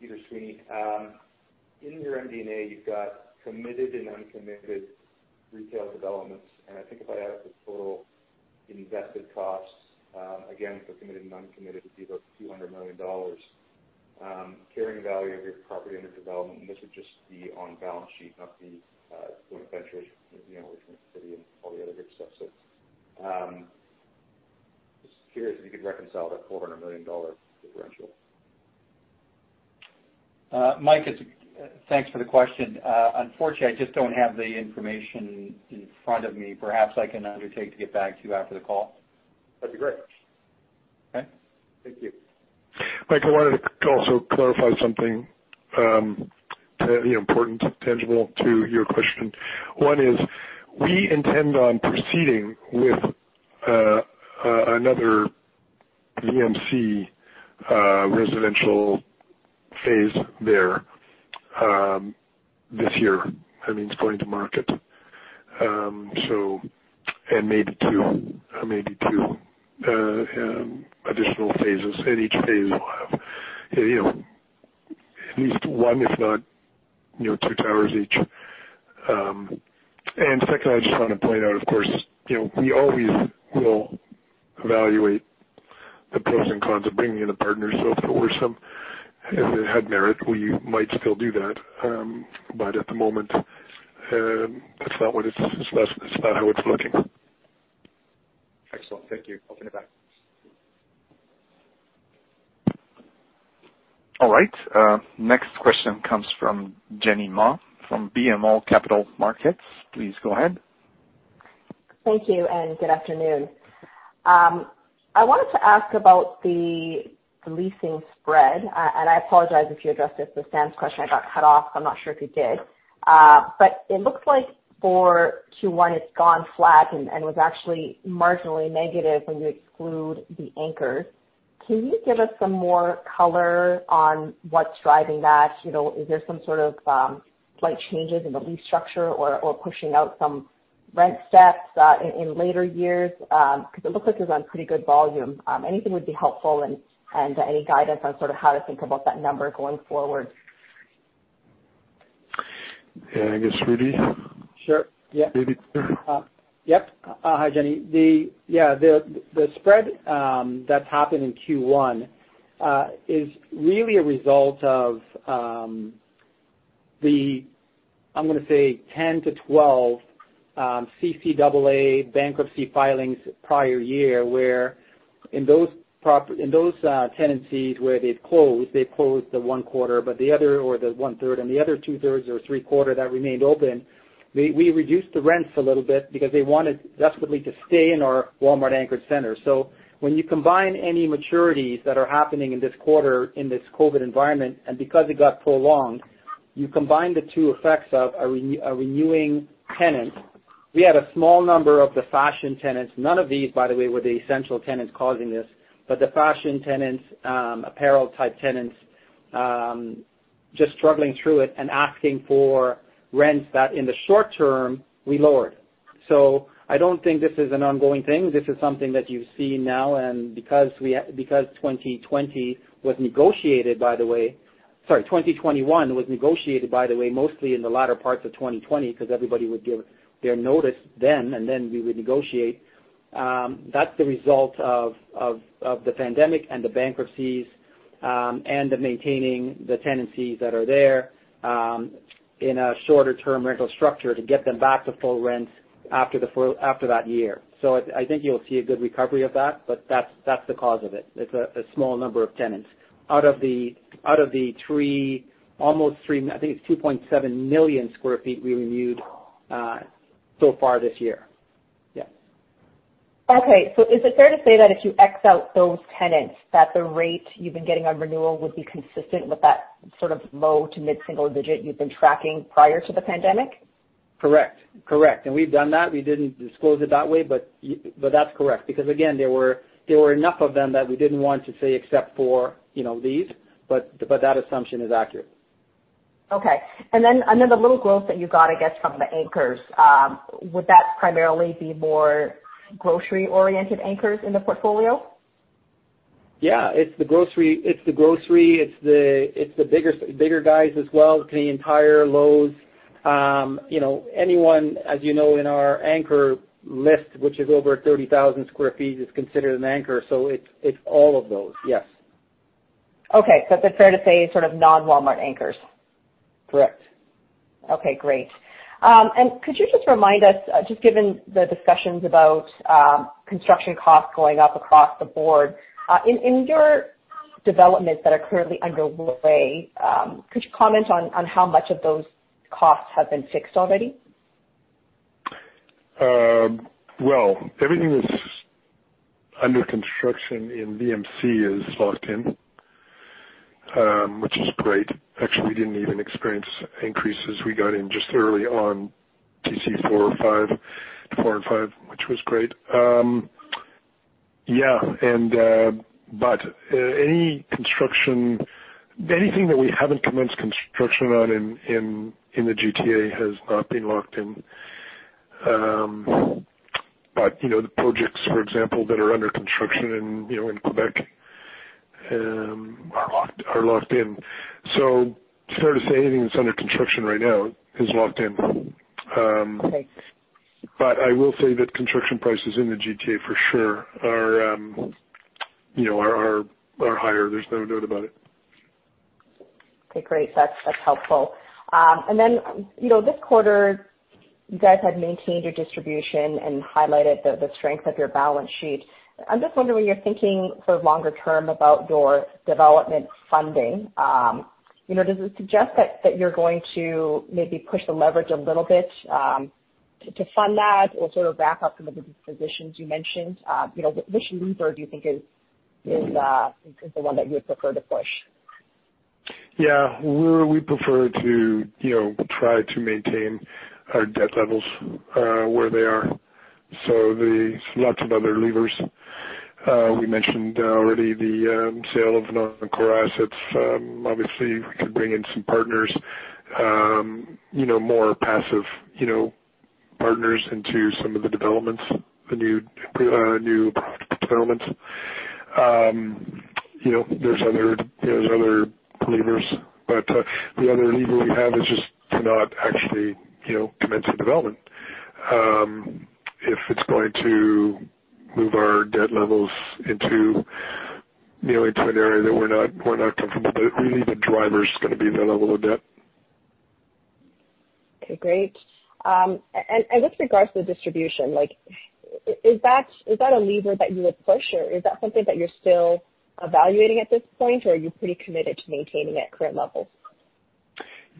Peter Sweeney. In your MD&A, you've got committed and uncommitted retail developments, I think if I add up the total invested costs, again, for committed and uncommitted would be about 200 million dollars. Carrying value of your property under development, this would just be on balance sheet, not the joint ventures with Transit City and all the other good stuff. Just curious if you could reconcile that 400 million dollar differential. Mike, thanks for the question. Unfortunately, I just don't have the information in front of me. Perhaps I can undertake to get back to you after the call. That'd be great. Okay. Thank you. Michael, I wanted to also clarify something important, tangible to your question. One is we intend on proceeding with another VMC residential phase there this year. I mean, it's going to market. Maybe two additional phases. Each phase will have at least one, if not two towers each. Second, I just want to point out, of course, we always will evaluate the pros and cons of bringing in a partner. If it had merit, we might still do that. At the moment, that's not how it's looking. Excellent. Thank you. I'll turn it back. All right. Next question comes from Jenny Ma from BMO Capital Markets. Please go ahead. Thank you. Good afternoon. I wanted to ask about the leasing spread. I apologize if you addressed this with Sam's question, it got cut off. I'm not sure if you did. It looks like for Q1, it's gone flat and was actually marginally negative when you exclude the anchors. Can you give us some more color on what's driving that? Is there some sort of slight changes in the lease structure or pushing out some rent steps in later years? It looks like it's on pretty good volume. Anything would be helpful and any guidance on sort of how to think about that number going forward. Yeah, I guess Rudy? Sure. Yeah. Rudy? Yep. Hi, Jenny. Yes. The spread that's happened in Q1 is really a result of the, I am going to say 10 to 12 CCAA bankruptcy filings prior year. Where in those tenancies where they've closed, they closed the one quarter or the one-third, and the other two-thirds or three-quarter that remained open, we reduced the rents a little bit because they wanted desperately to stay in our Walmart anchored center. When you combine any maturities that are happening in this quarter in this COVID environment, and because it got prolonged, you combine the two effects of a renewing tenant. We had a small number of the fashion tenants. None of these, by the way, were the essential tenants causing this, but the fashion tenants, apparel type tenants, just struggling through it and asking for rents that, in the short term, we lowered. I don't think this is an ongoing thing. This is something that you see now. Because 2021 was negotiated, by the way, mostly in the latter parts of 2020, because everybody would give their notice then, and then we would negotiate. That's the result of the pandemic and the bankruptcies, and the maintaining the tenancies that are there in a shorter term rental structure to get them back to full rent after that year. I think you'll see a good recovery of that, but that's the cause of it. It's a small number of tenants out of the almost three, I think it's 2.7 million sq ft we renewed so far this year. Yes. Okay, is it fair to say that if you X out those tenants, that the rate you've been getting on renewal would be consistent with that sort of low to mid single digit you've been tracking prior to the pandemic? Correct. We've done that. We didn't disclose it that way, that's correct. Again, there were enough of them that we didn't want to say except for these, that assumption is accurate. Okay. The little growth that you got, I guess, from the anchors, would that primarily be more grocery oriented anchors in the portfolio? Yeah, it's the grocery, it's the bigger guys as well. Canadian Tire, Lowe's. Anyone, as you know, in our anchor list, which is over 30,000 sq ft, is considered an anchor. It's all of those. Yes. Okay, it's fair to say sort of non-Walmart anchors. Correct. Okay, great. Could you just remind us, just given the discussions about construction costs going up across the board, in your developments that are currently underway, could you comment on how much of those costs have been fixed already? Well, everything that's under construction in VMC is locked in, which is great. Actually, we didn't even experience increases. We got in just early on TC 4 or 5, which was great. Anything that we haven't commenced construction on in the GTA has not been locked in. The projects, for example, that are under construction in Quebec are locked in. It's fair to say anything that's under construction right now is locked in. Great. I will say that construction prices in the GTA for sure are higher. There's no doubt about it. Okay, great. That's helpful. This quarter, you guys had maintained your distribution and highlighted the strength of your balance sheet. I'm just wondering, you're thinking sort of longer term about your development funding. Does it suggest that you're going to maybe push the leverage a little bit to fund that or sort of wrap up some of the dispositions you mentioned? Which lever do you think is the one that you would prefer to push? Yeah. We prefer to try to maintain our debt levels where they are. There's lots of other levers. We mentioned already the sale of non-core assets. Obviously, we could bring in some partners, more passive partners into some of the developments, the new developments. There's other levers. The other lever we have is just to not actually commence the development if it's going to move our debt levels into an area that we're not comfortable. Really the driver is going to be the level of debt. Okay, great. With regards to the distribution, is that a lever that you would push or is that something that you're still evaluating at this point, or are you pretty committed to maintaining at current levels?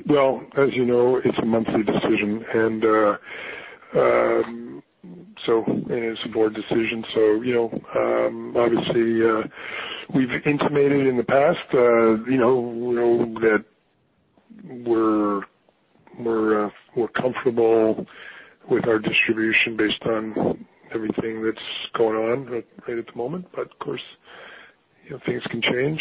Well, as you know, it's a monthly decision, and it's a board decision. Obviously, we've intimated in the past that we're comfortable with our distribution based on everything that's going on right at the moment. Of course, things can change.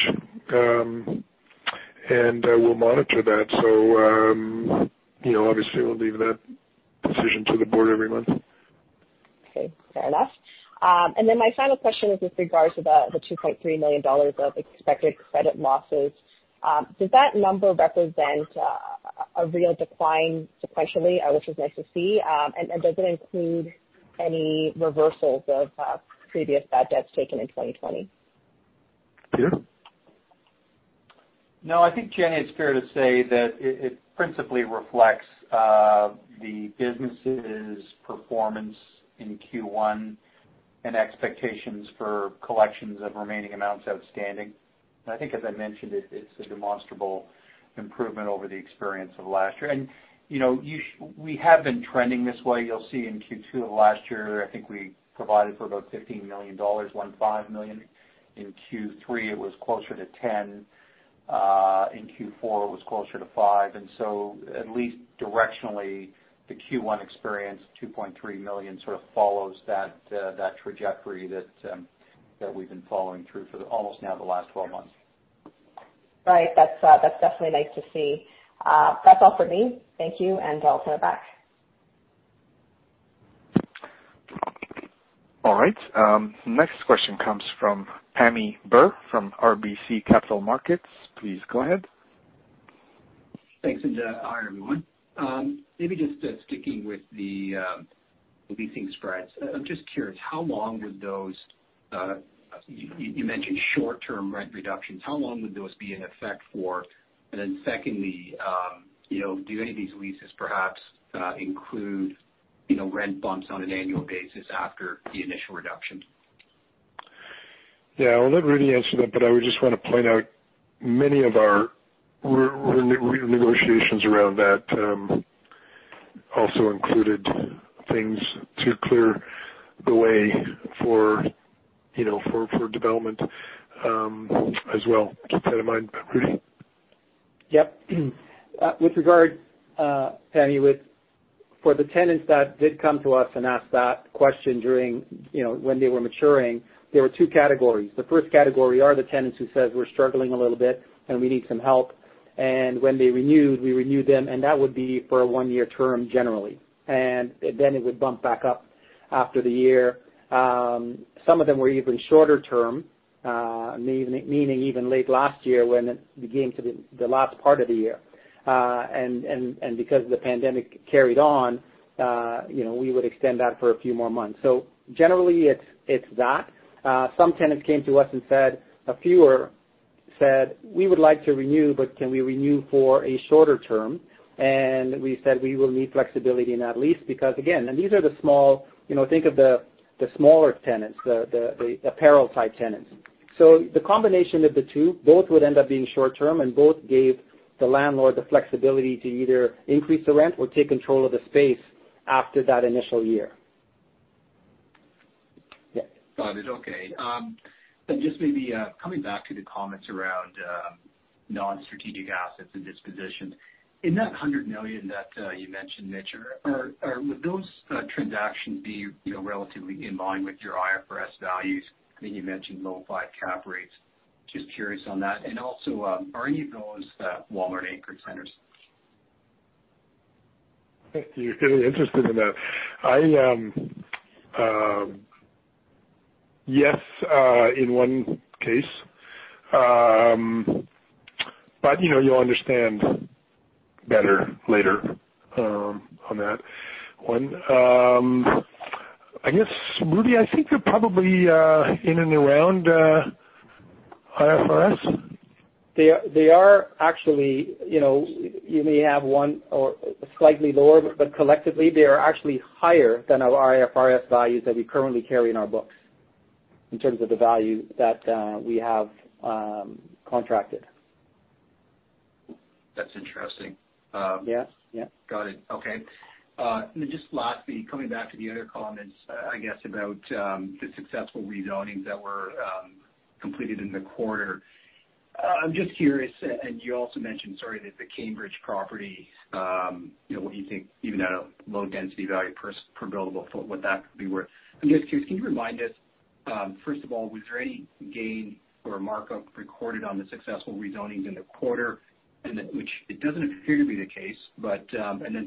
We'll monitor that. Obviously, we'll leave that decision to the board every month. Okay. Fair enough. My final question is with regards to the 2.3 million dollars of expected credit losses. Does that number represent a real decline sequentially, which is nice to see, and does it include any reversals of previous bad debts taken in 2020? Peter. No, I think Jenny, it's fair to say that it principally reflects the business' performance in Q1 and expectations for collections of remaining amounts outstanding. I think as I mentioned, it's a demonstrable improvement over the experience of last year. We have been trending this way. You'll see in Q2 of last year, I think we provided for about 15 million dollars. In Q3, it was closer to 10 million. In Q4 it was closer to five. At least directionally, the Q1 experience, 2.3 million sort of follows that trajectory that we've been following through for almost now the last 12 months. Right. That's definitely nice to see. That's all for me. Thank you, and I'll turn it back. All right. Next question comes from Pammi Bir from RBC Capital Markets. Please go ahead. Thanks, hi, everyone. Maybe just sticking with the leasing spreads. I'm just curious, you mentioned short-term rent reductions. How long would those be in effect for? Secondly, do any of these leases perhaps include rent bumps on an annual basis after the initial reductions? Yeah. I'll let Rudy answer that, but I would just want to point out many of our renegotiations around that also included things to clear the way for development as well. Keep that in mind, Rudy. Yep. With regard, Pammi, for the tenants that did come to us and ask that question during when they were maturing, there were two categories. The first category are the tenants who said, "We're struggling a little bit, and we need some help." When they renewed, we renewed them, and that would be for a one-year term generally. Then it would bump back up after the year. Some of them were even shorter term, meaning even late last year when it became to the last part of the year. Because the pandemic carried on, we would extend that for a few more months. Generally it's that. Some tenants came to us, a fewer said, "We would like to renew, but can we renew for a shorter term?" We said, we will need flexibility in that lease. Again, think of the smaller tenants, the apparel-type tenants. The combination of the two, both would end up being short-term and both gave the landlord the flexibility to either increase the rent or take control of the space after that initial year. Yeah. Got it. Okay. Just maybe coming back to the comments around non-strategic assets and dispositions. In that 100 million that you mentioned, Mitch, would those transactions be relatively in line with your IFRS values? I think you mentioned low five cap rates. Just curious on that. Also, are any of those Walmart anchored centers? Thank you. Really interested in that. Yes, in one case. You'll understand better later on that one. I guess, Rudy, I think they're probably in and around IFRS. They are, actually. You may have one or slightly lower, but collectively they are actually higher than our IFRS values that we currently carry in our books in terms of the value that we have contracted. That's interesting. Yes. Got it. Okay. Then just lastly, coming back to the other comments, I guess about the successful rezonings that were completed in the quarter. I am just curious, you also mentioned, sorry, that the Cambridge property what you think even at a low density value per buildable foot, what that would be worth. I am just curious, can you remind us, first of all, was there any gain or markup recorded on the successful rezonings in the quarter? That which it doesn't appear to be the case.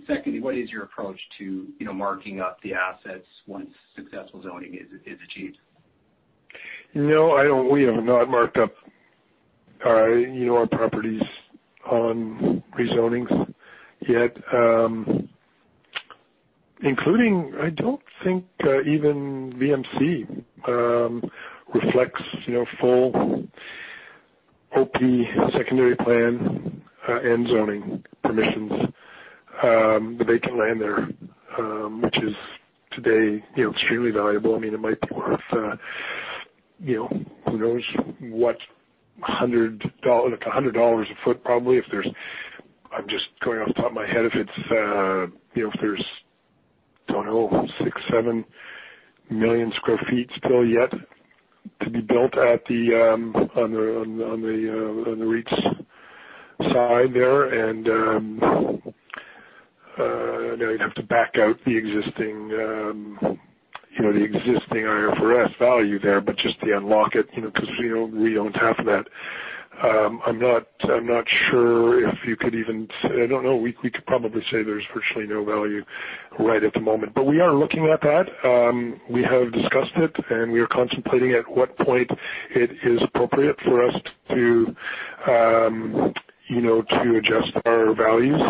Secondly, what is your approach to marking up the assets once successful zoning is achieved? No, we have not marked up our properties on rezonings yet. Including, I don't think even VMC reflects full OP secondary plan and zoning permissions. The vacant land there, which is today extremely valuable. It might be worth, who knows, what? 100 dollars a foot probably. I'm just going off the top of my head, if there's, don't know, 6 million sq ft, 7 million sq ft still yet to be built on the REIT side there. And then you'd have to back out the existing IFRS value there, but just to unlock it because we own half of that. I'm not sure if you could even say I don't know. We could probably say there's virtually no value right at the moment. We are looking at that. We have discussed it, and we are contemplating at what point it is appropriate for us to adjust our values.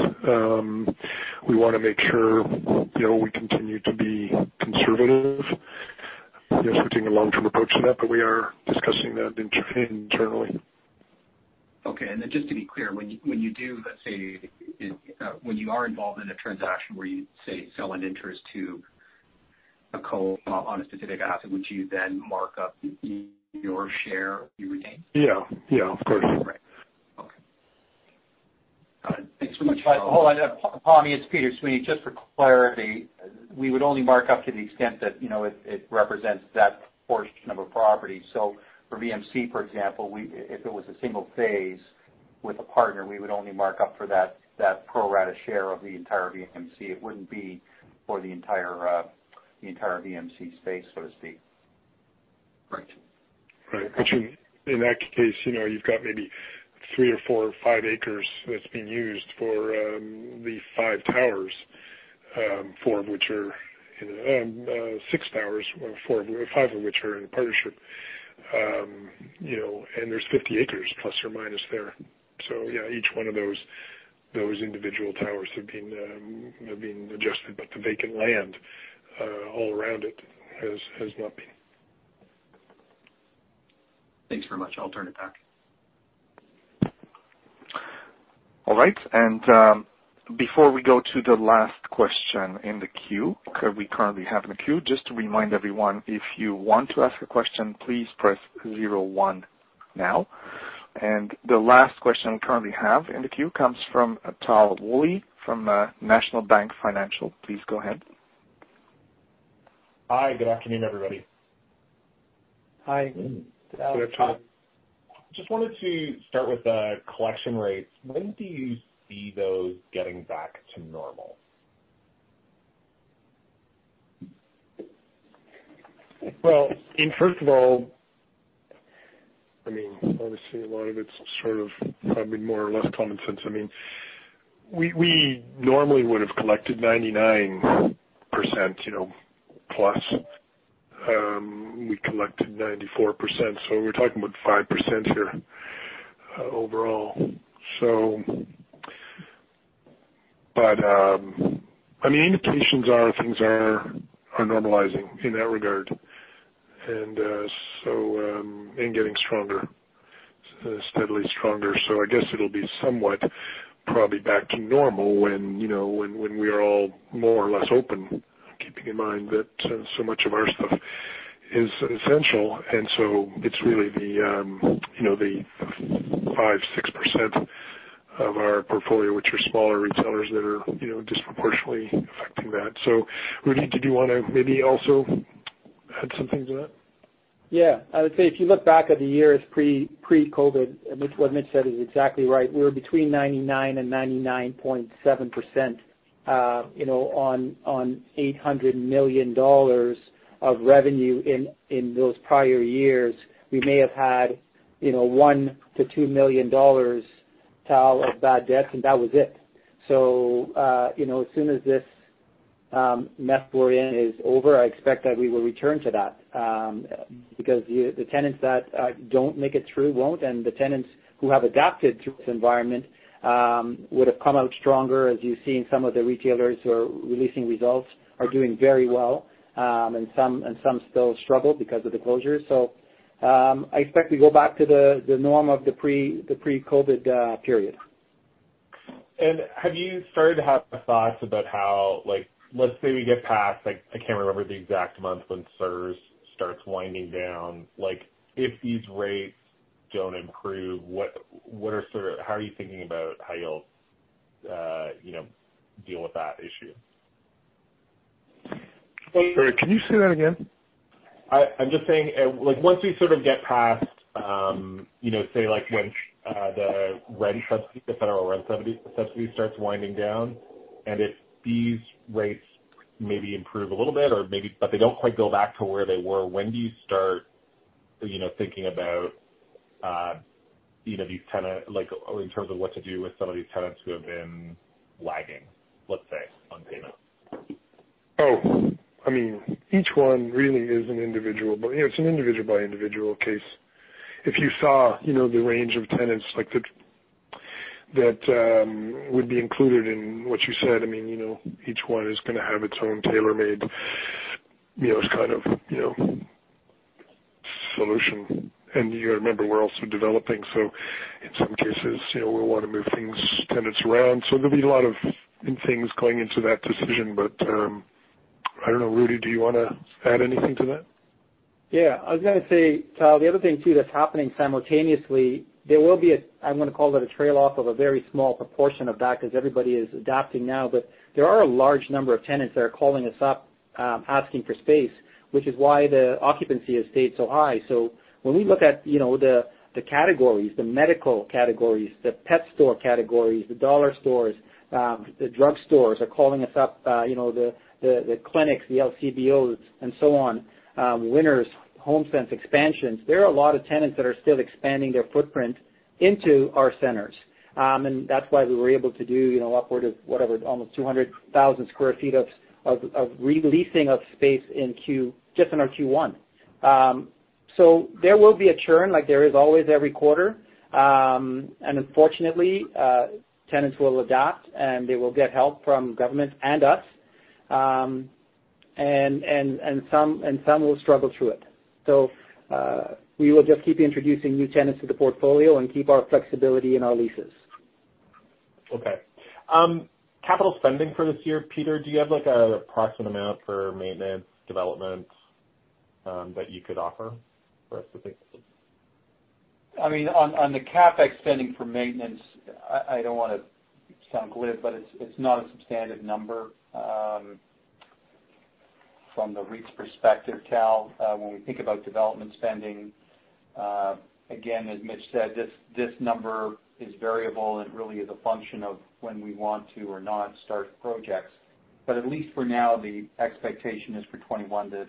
We want to make sure we continue to be conservative. Yes, we're taking a long-term approach to that, but we are discussing that internally. Okay. Then just to be clear, when you are involved in a transaction where you, say, sell an interest to a co-op on a specific asset, would you then mark up your share you retain? Yeah. Of course. Right. Okay. Thanks so much. Hold on, Pammi. It's Peter Sweeney. Just for clarity, we would only mark up to the extent that it represents that portion of a property. For VMC, for example, if it was a single phase with a partner, we would only mark up for that pro rata share of the entire VMC. It wouldn't be for the entire VMC space, so to speak. Right. Right. In that case, you've got maybe three or four or five acres that's being used for the five towers, six towers, five of which are in partnership. There's 50 acres plus or minus there. Yeah, each one of those individual towers have been adjusted, but the vacant land all around it has not been. Thanks very much. I'll turn it back. All right. Before we go to the last question in the queue, because we currently have in the queue, just to remind everyone, if you want to ask a question, please press zero one now. The last question we currently have in the queue comes from Tal Woolley from National Bank Financial. Please go ahead. Hi, good afternoon, everybody. Hi. Good afternoon. Just wanted to start with the collection rates. When do you see those getting back to normal? Well, first of all, obviously, a lot of it is sort of probably more or less common sense. We normally would have collected 99% plus. We collected 94%, so we're talking about 5% here overall. Indications are things are normalizing in that regard and getting steadily stronger. I guess it'll be somewhat probably back to normal when we are all more or less open, keeping in mind that so much of our stuff is essential, and so it's really the 5%, 6% of our portfolio, which are smaller retailers that are disproportionately affecting that. Rudy, did you want to maybe also add something to that? I would say if you look back at the years pre-COVID, what Mitch said is exactly right. We were between 99% and 99.7% on 800 million dollars of revenue in those prior years. We may have had 1 million to 2 million dollars, Tal, of bad debts. That was it. As soon as this mess we're in is over, I expect that we will return to that. The tenants that don't make it through, won't, and the tenants who have adapted to this environment would have come out stronger, as you've seen some of the retailers who are releasing results are doing very well. Some still struggle because of the closure. I expect to go back to the norm of the pre-COVID period. Have you started to have thoughts about how, let's say we get past, I can't remember the exact month when CERS starts winding down. If these rates don't improve, how are you thinking about how you'll deal with that issue? Sorry, can you say that again? I'm just saying, once we sort of get past, say, when the federal rent subsidy starts winding down, and if these rates maybe improve a little bit, but they don't quite go back to where they were, when do you start thinking about in terms of what to do with some of these tenants who have been lagging, let's say, on payment? Oh, each one really is an individual. It's an individual by individual case. If you saw the range of tenants that would be included in what you said, each one is going to have its own tailor-made solution. You got to remember, we're also developing, so in some cases, we'll want to move tenants around. There'll be a lot of things going into that decision. I don't know, Rudy, do you want to add anything to that? I was going to say, Tal, the other thing, too, that's happening simultaneously, there will be a, I'm going to call it a trail off of a very small proportion of that because everybody is adapting now. There are a large number of tenants that are calling us up asking for space, which is why the occupancy has stayed so high. When we look at the categories, the medical categories, the pet store categories, the dollar stores, the drugstores are calling us up, the clinics, the LCBOs and so on. Winners, HomeSense expansions, there are a lot of tenants that are still expanding their footprint into our centers. That's why we were able to do upward of, whatever, almost 200,000 sq ft of re-leasing of space just in our Q1. There will be a churn like there is always every quarter. Unfortunately, tenants will adapt, and they will get help from government and us. Some will struggle through it. We will just keep introducing new tenants to the portfolio and keep our flexibility in our leases. Okay. Capital spending for this year, Peter, do you have an approximate amount for maintenance, development that you could offer for us to think through? On the CapEx spending for maintenance, I don't want to sound glib, it's not a substantive number. From the REIT's perspective, Tal, when we think about development spending, again, as Mitch said, this number is variable and really is a function of when we want to or not start projects. At least for now, the expectation is for 2021 to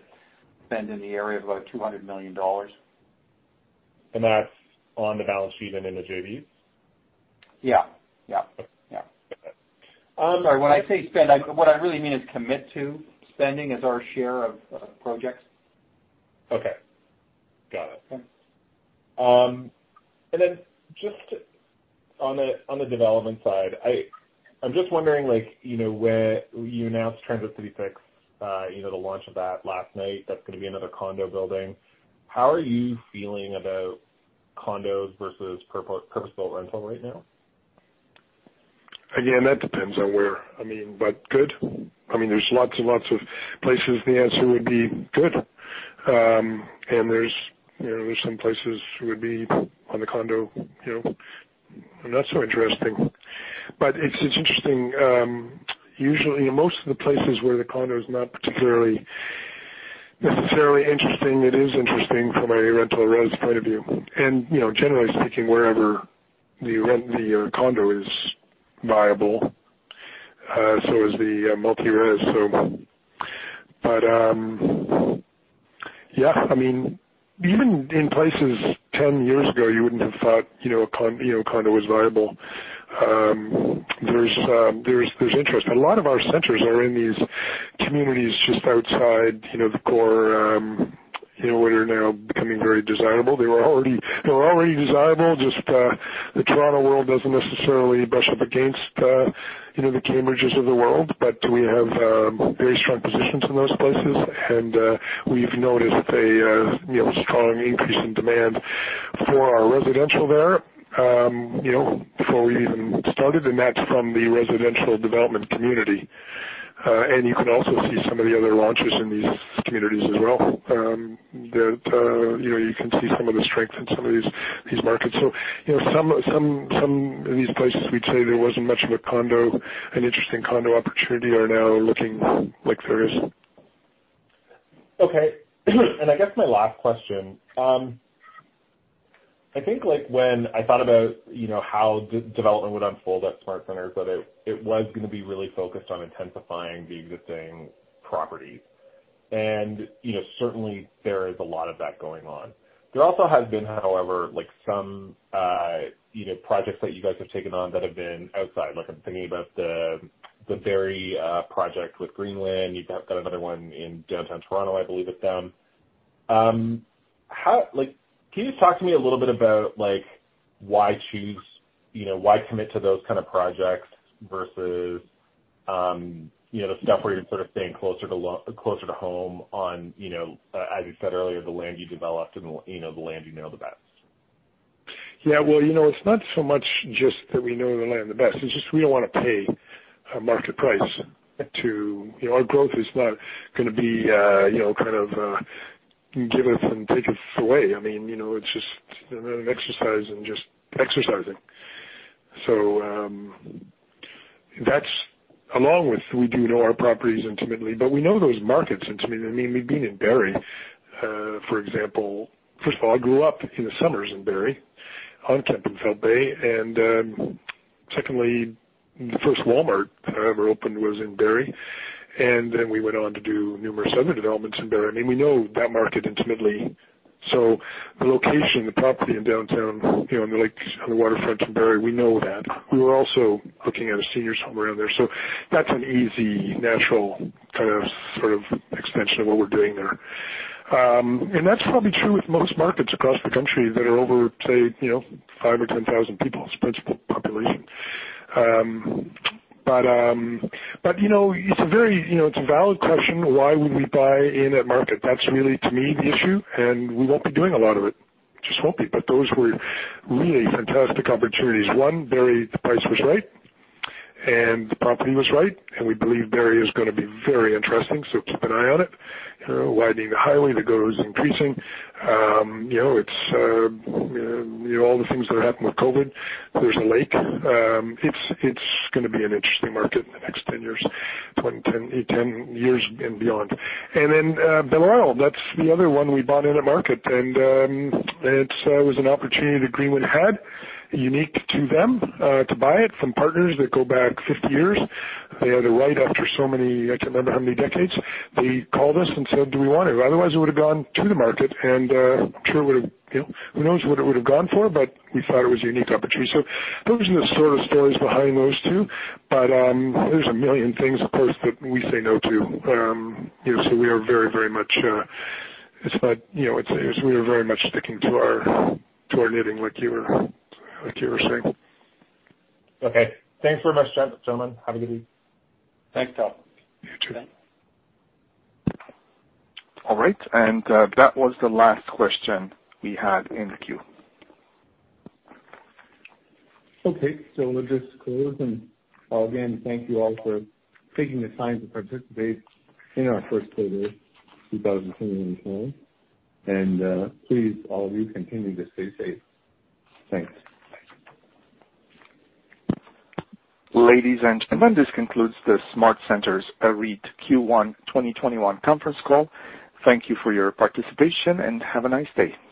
spend in the area of about 200 million dollars. That's on the balance sheet and in the JVs? Yeah. Okay, got it. Sorry. When I say spend, what I really mean is commit to spending as our share of projects. Okay. Got it. Okay. Just on the development side, I'm just wondering when you announced Transit City 6, the launch of that last night, that's going to be another condo building. How are you feeling about condos versus purpose-built rental right now? Again, that depends on where. Good. There's lots and lots of places the answer would be good. There's some places would be on the condo, not so interesting. It's interesting. Most of the places where the condo is not particularly necessarily interesting, it is interesting from a rental res point of view. Generally speaking, wherever the condo is viable, so is the multi-res. Yeah. Even in places 10 years ago, you wouldn't have thought a condo was viable. There's interest. A lot of our centers are in these communities just outside the core, what are now becoming very desirable. They were already desirable, just the Toronto world doesn't necessarily brush up against the Cambridges of the world. We have very strong positions in those places, and we've noticed a strong increase in demand for our residential there before we even started, and that's from the residential development community. You can also see some of the other launches in these communities as well. You can see some of the strength in some of these markets. Some of these places we'd say there wasn't much of an interesting condo opportunity are now looking like there is. Okay. I guess my last question. I think when I thought about how development would unfold at SmartCentres, that it was going to be really focused on intensifying the existing properties. Certainly there is a lot of that going on. There also has been, however, some projects that you guys have taken on that have been outside. I'm thinking about the Barrie project with Greenwin. You've got another one in downtown Toronto, I believe, with them. Can you talk to me a little bit about why commit to those kind of projects versus the stuff where you're sort of staying closer to home on, as you said earlier, the land you developed and the land you know the best? Well, it's not so much just that we know the land the best. It's just we don't want to pay a market price. Our growth is not going to be give us and take us away. It's just an exercise in just exercising. That's along with we do know our properties intimately, but we know those markets intimately. We've been in Barrie, for example. First of all, I grew up in the summers in Barrie on Kempenfelt Bay. Secondly, the first Walmart that I ever opened was in Barrie. We went on to do numerous other developments in Barrie. We know that market intimately. The location, the property in downtown on the lake, on the waterfront in Barrie, we know that. We were also looking at a seniors home around there. That's an easy, natural sort of extension of what we're doing there. That's probably true with most markets across the country that are over, say, 5,000 or 10,000 people. It's principal population. It's a valid question. Why would we buy in at market? That's really, to me, the issue, and we won't be doing a lot of it, just won't be. Those were really fantastic opportunities. One, Barrie, the price was right and the property was right, and we believe Barrie is going to be very interesting. Keep an eye on it. Widening the highway, the growth is increasing. All the things that are happening with COVID. There's a lake. It's going to be an interesting market in the next 10 years and beyond. Then Belleville, that's the other one we bought in at market. It was an opportunity that Greenwin had, unique to them, to buy it from partners that go back 50 years. They had the right after so many, I can't remember how many decades. They called us and said, do we want it? Otherwise, it would've gone to the market, and I'm sure who knows what it would've gone for, but we thought it was a unique opportunity. Those are the sort of stories behind those two. There's 1 million things, of course, that we say no to. We are very much sticking to our knitting like you were saying. Okay. Thanks very much, gentlemen. Have a good week. Thanks, Tal. You too. All right, that was the last question we had in the queue. We'll just close. Again, thank you all for taking the time to participate in our first quarter 2021. Please, all of you, continue to stay safe. Thanks. Ladies and gentlemen, this concludes the SmartCentres REIT Q1 2021 conference call. Thank you for your participation, and have a nice day.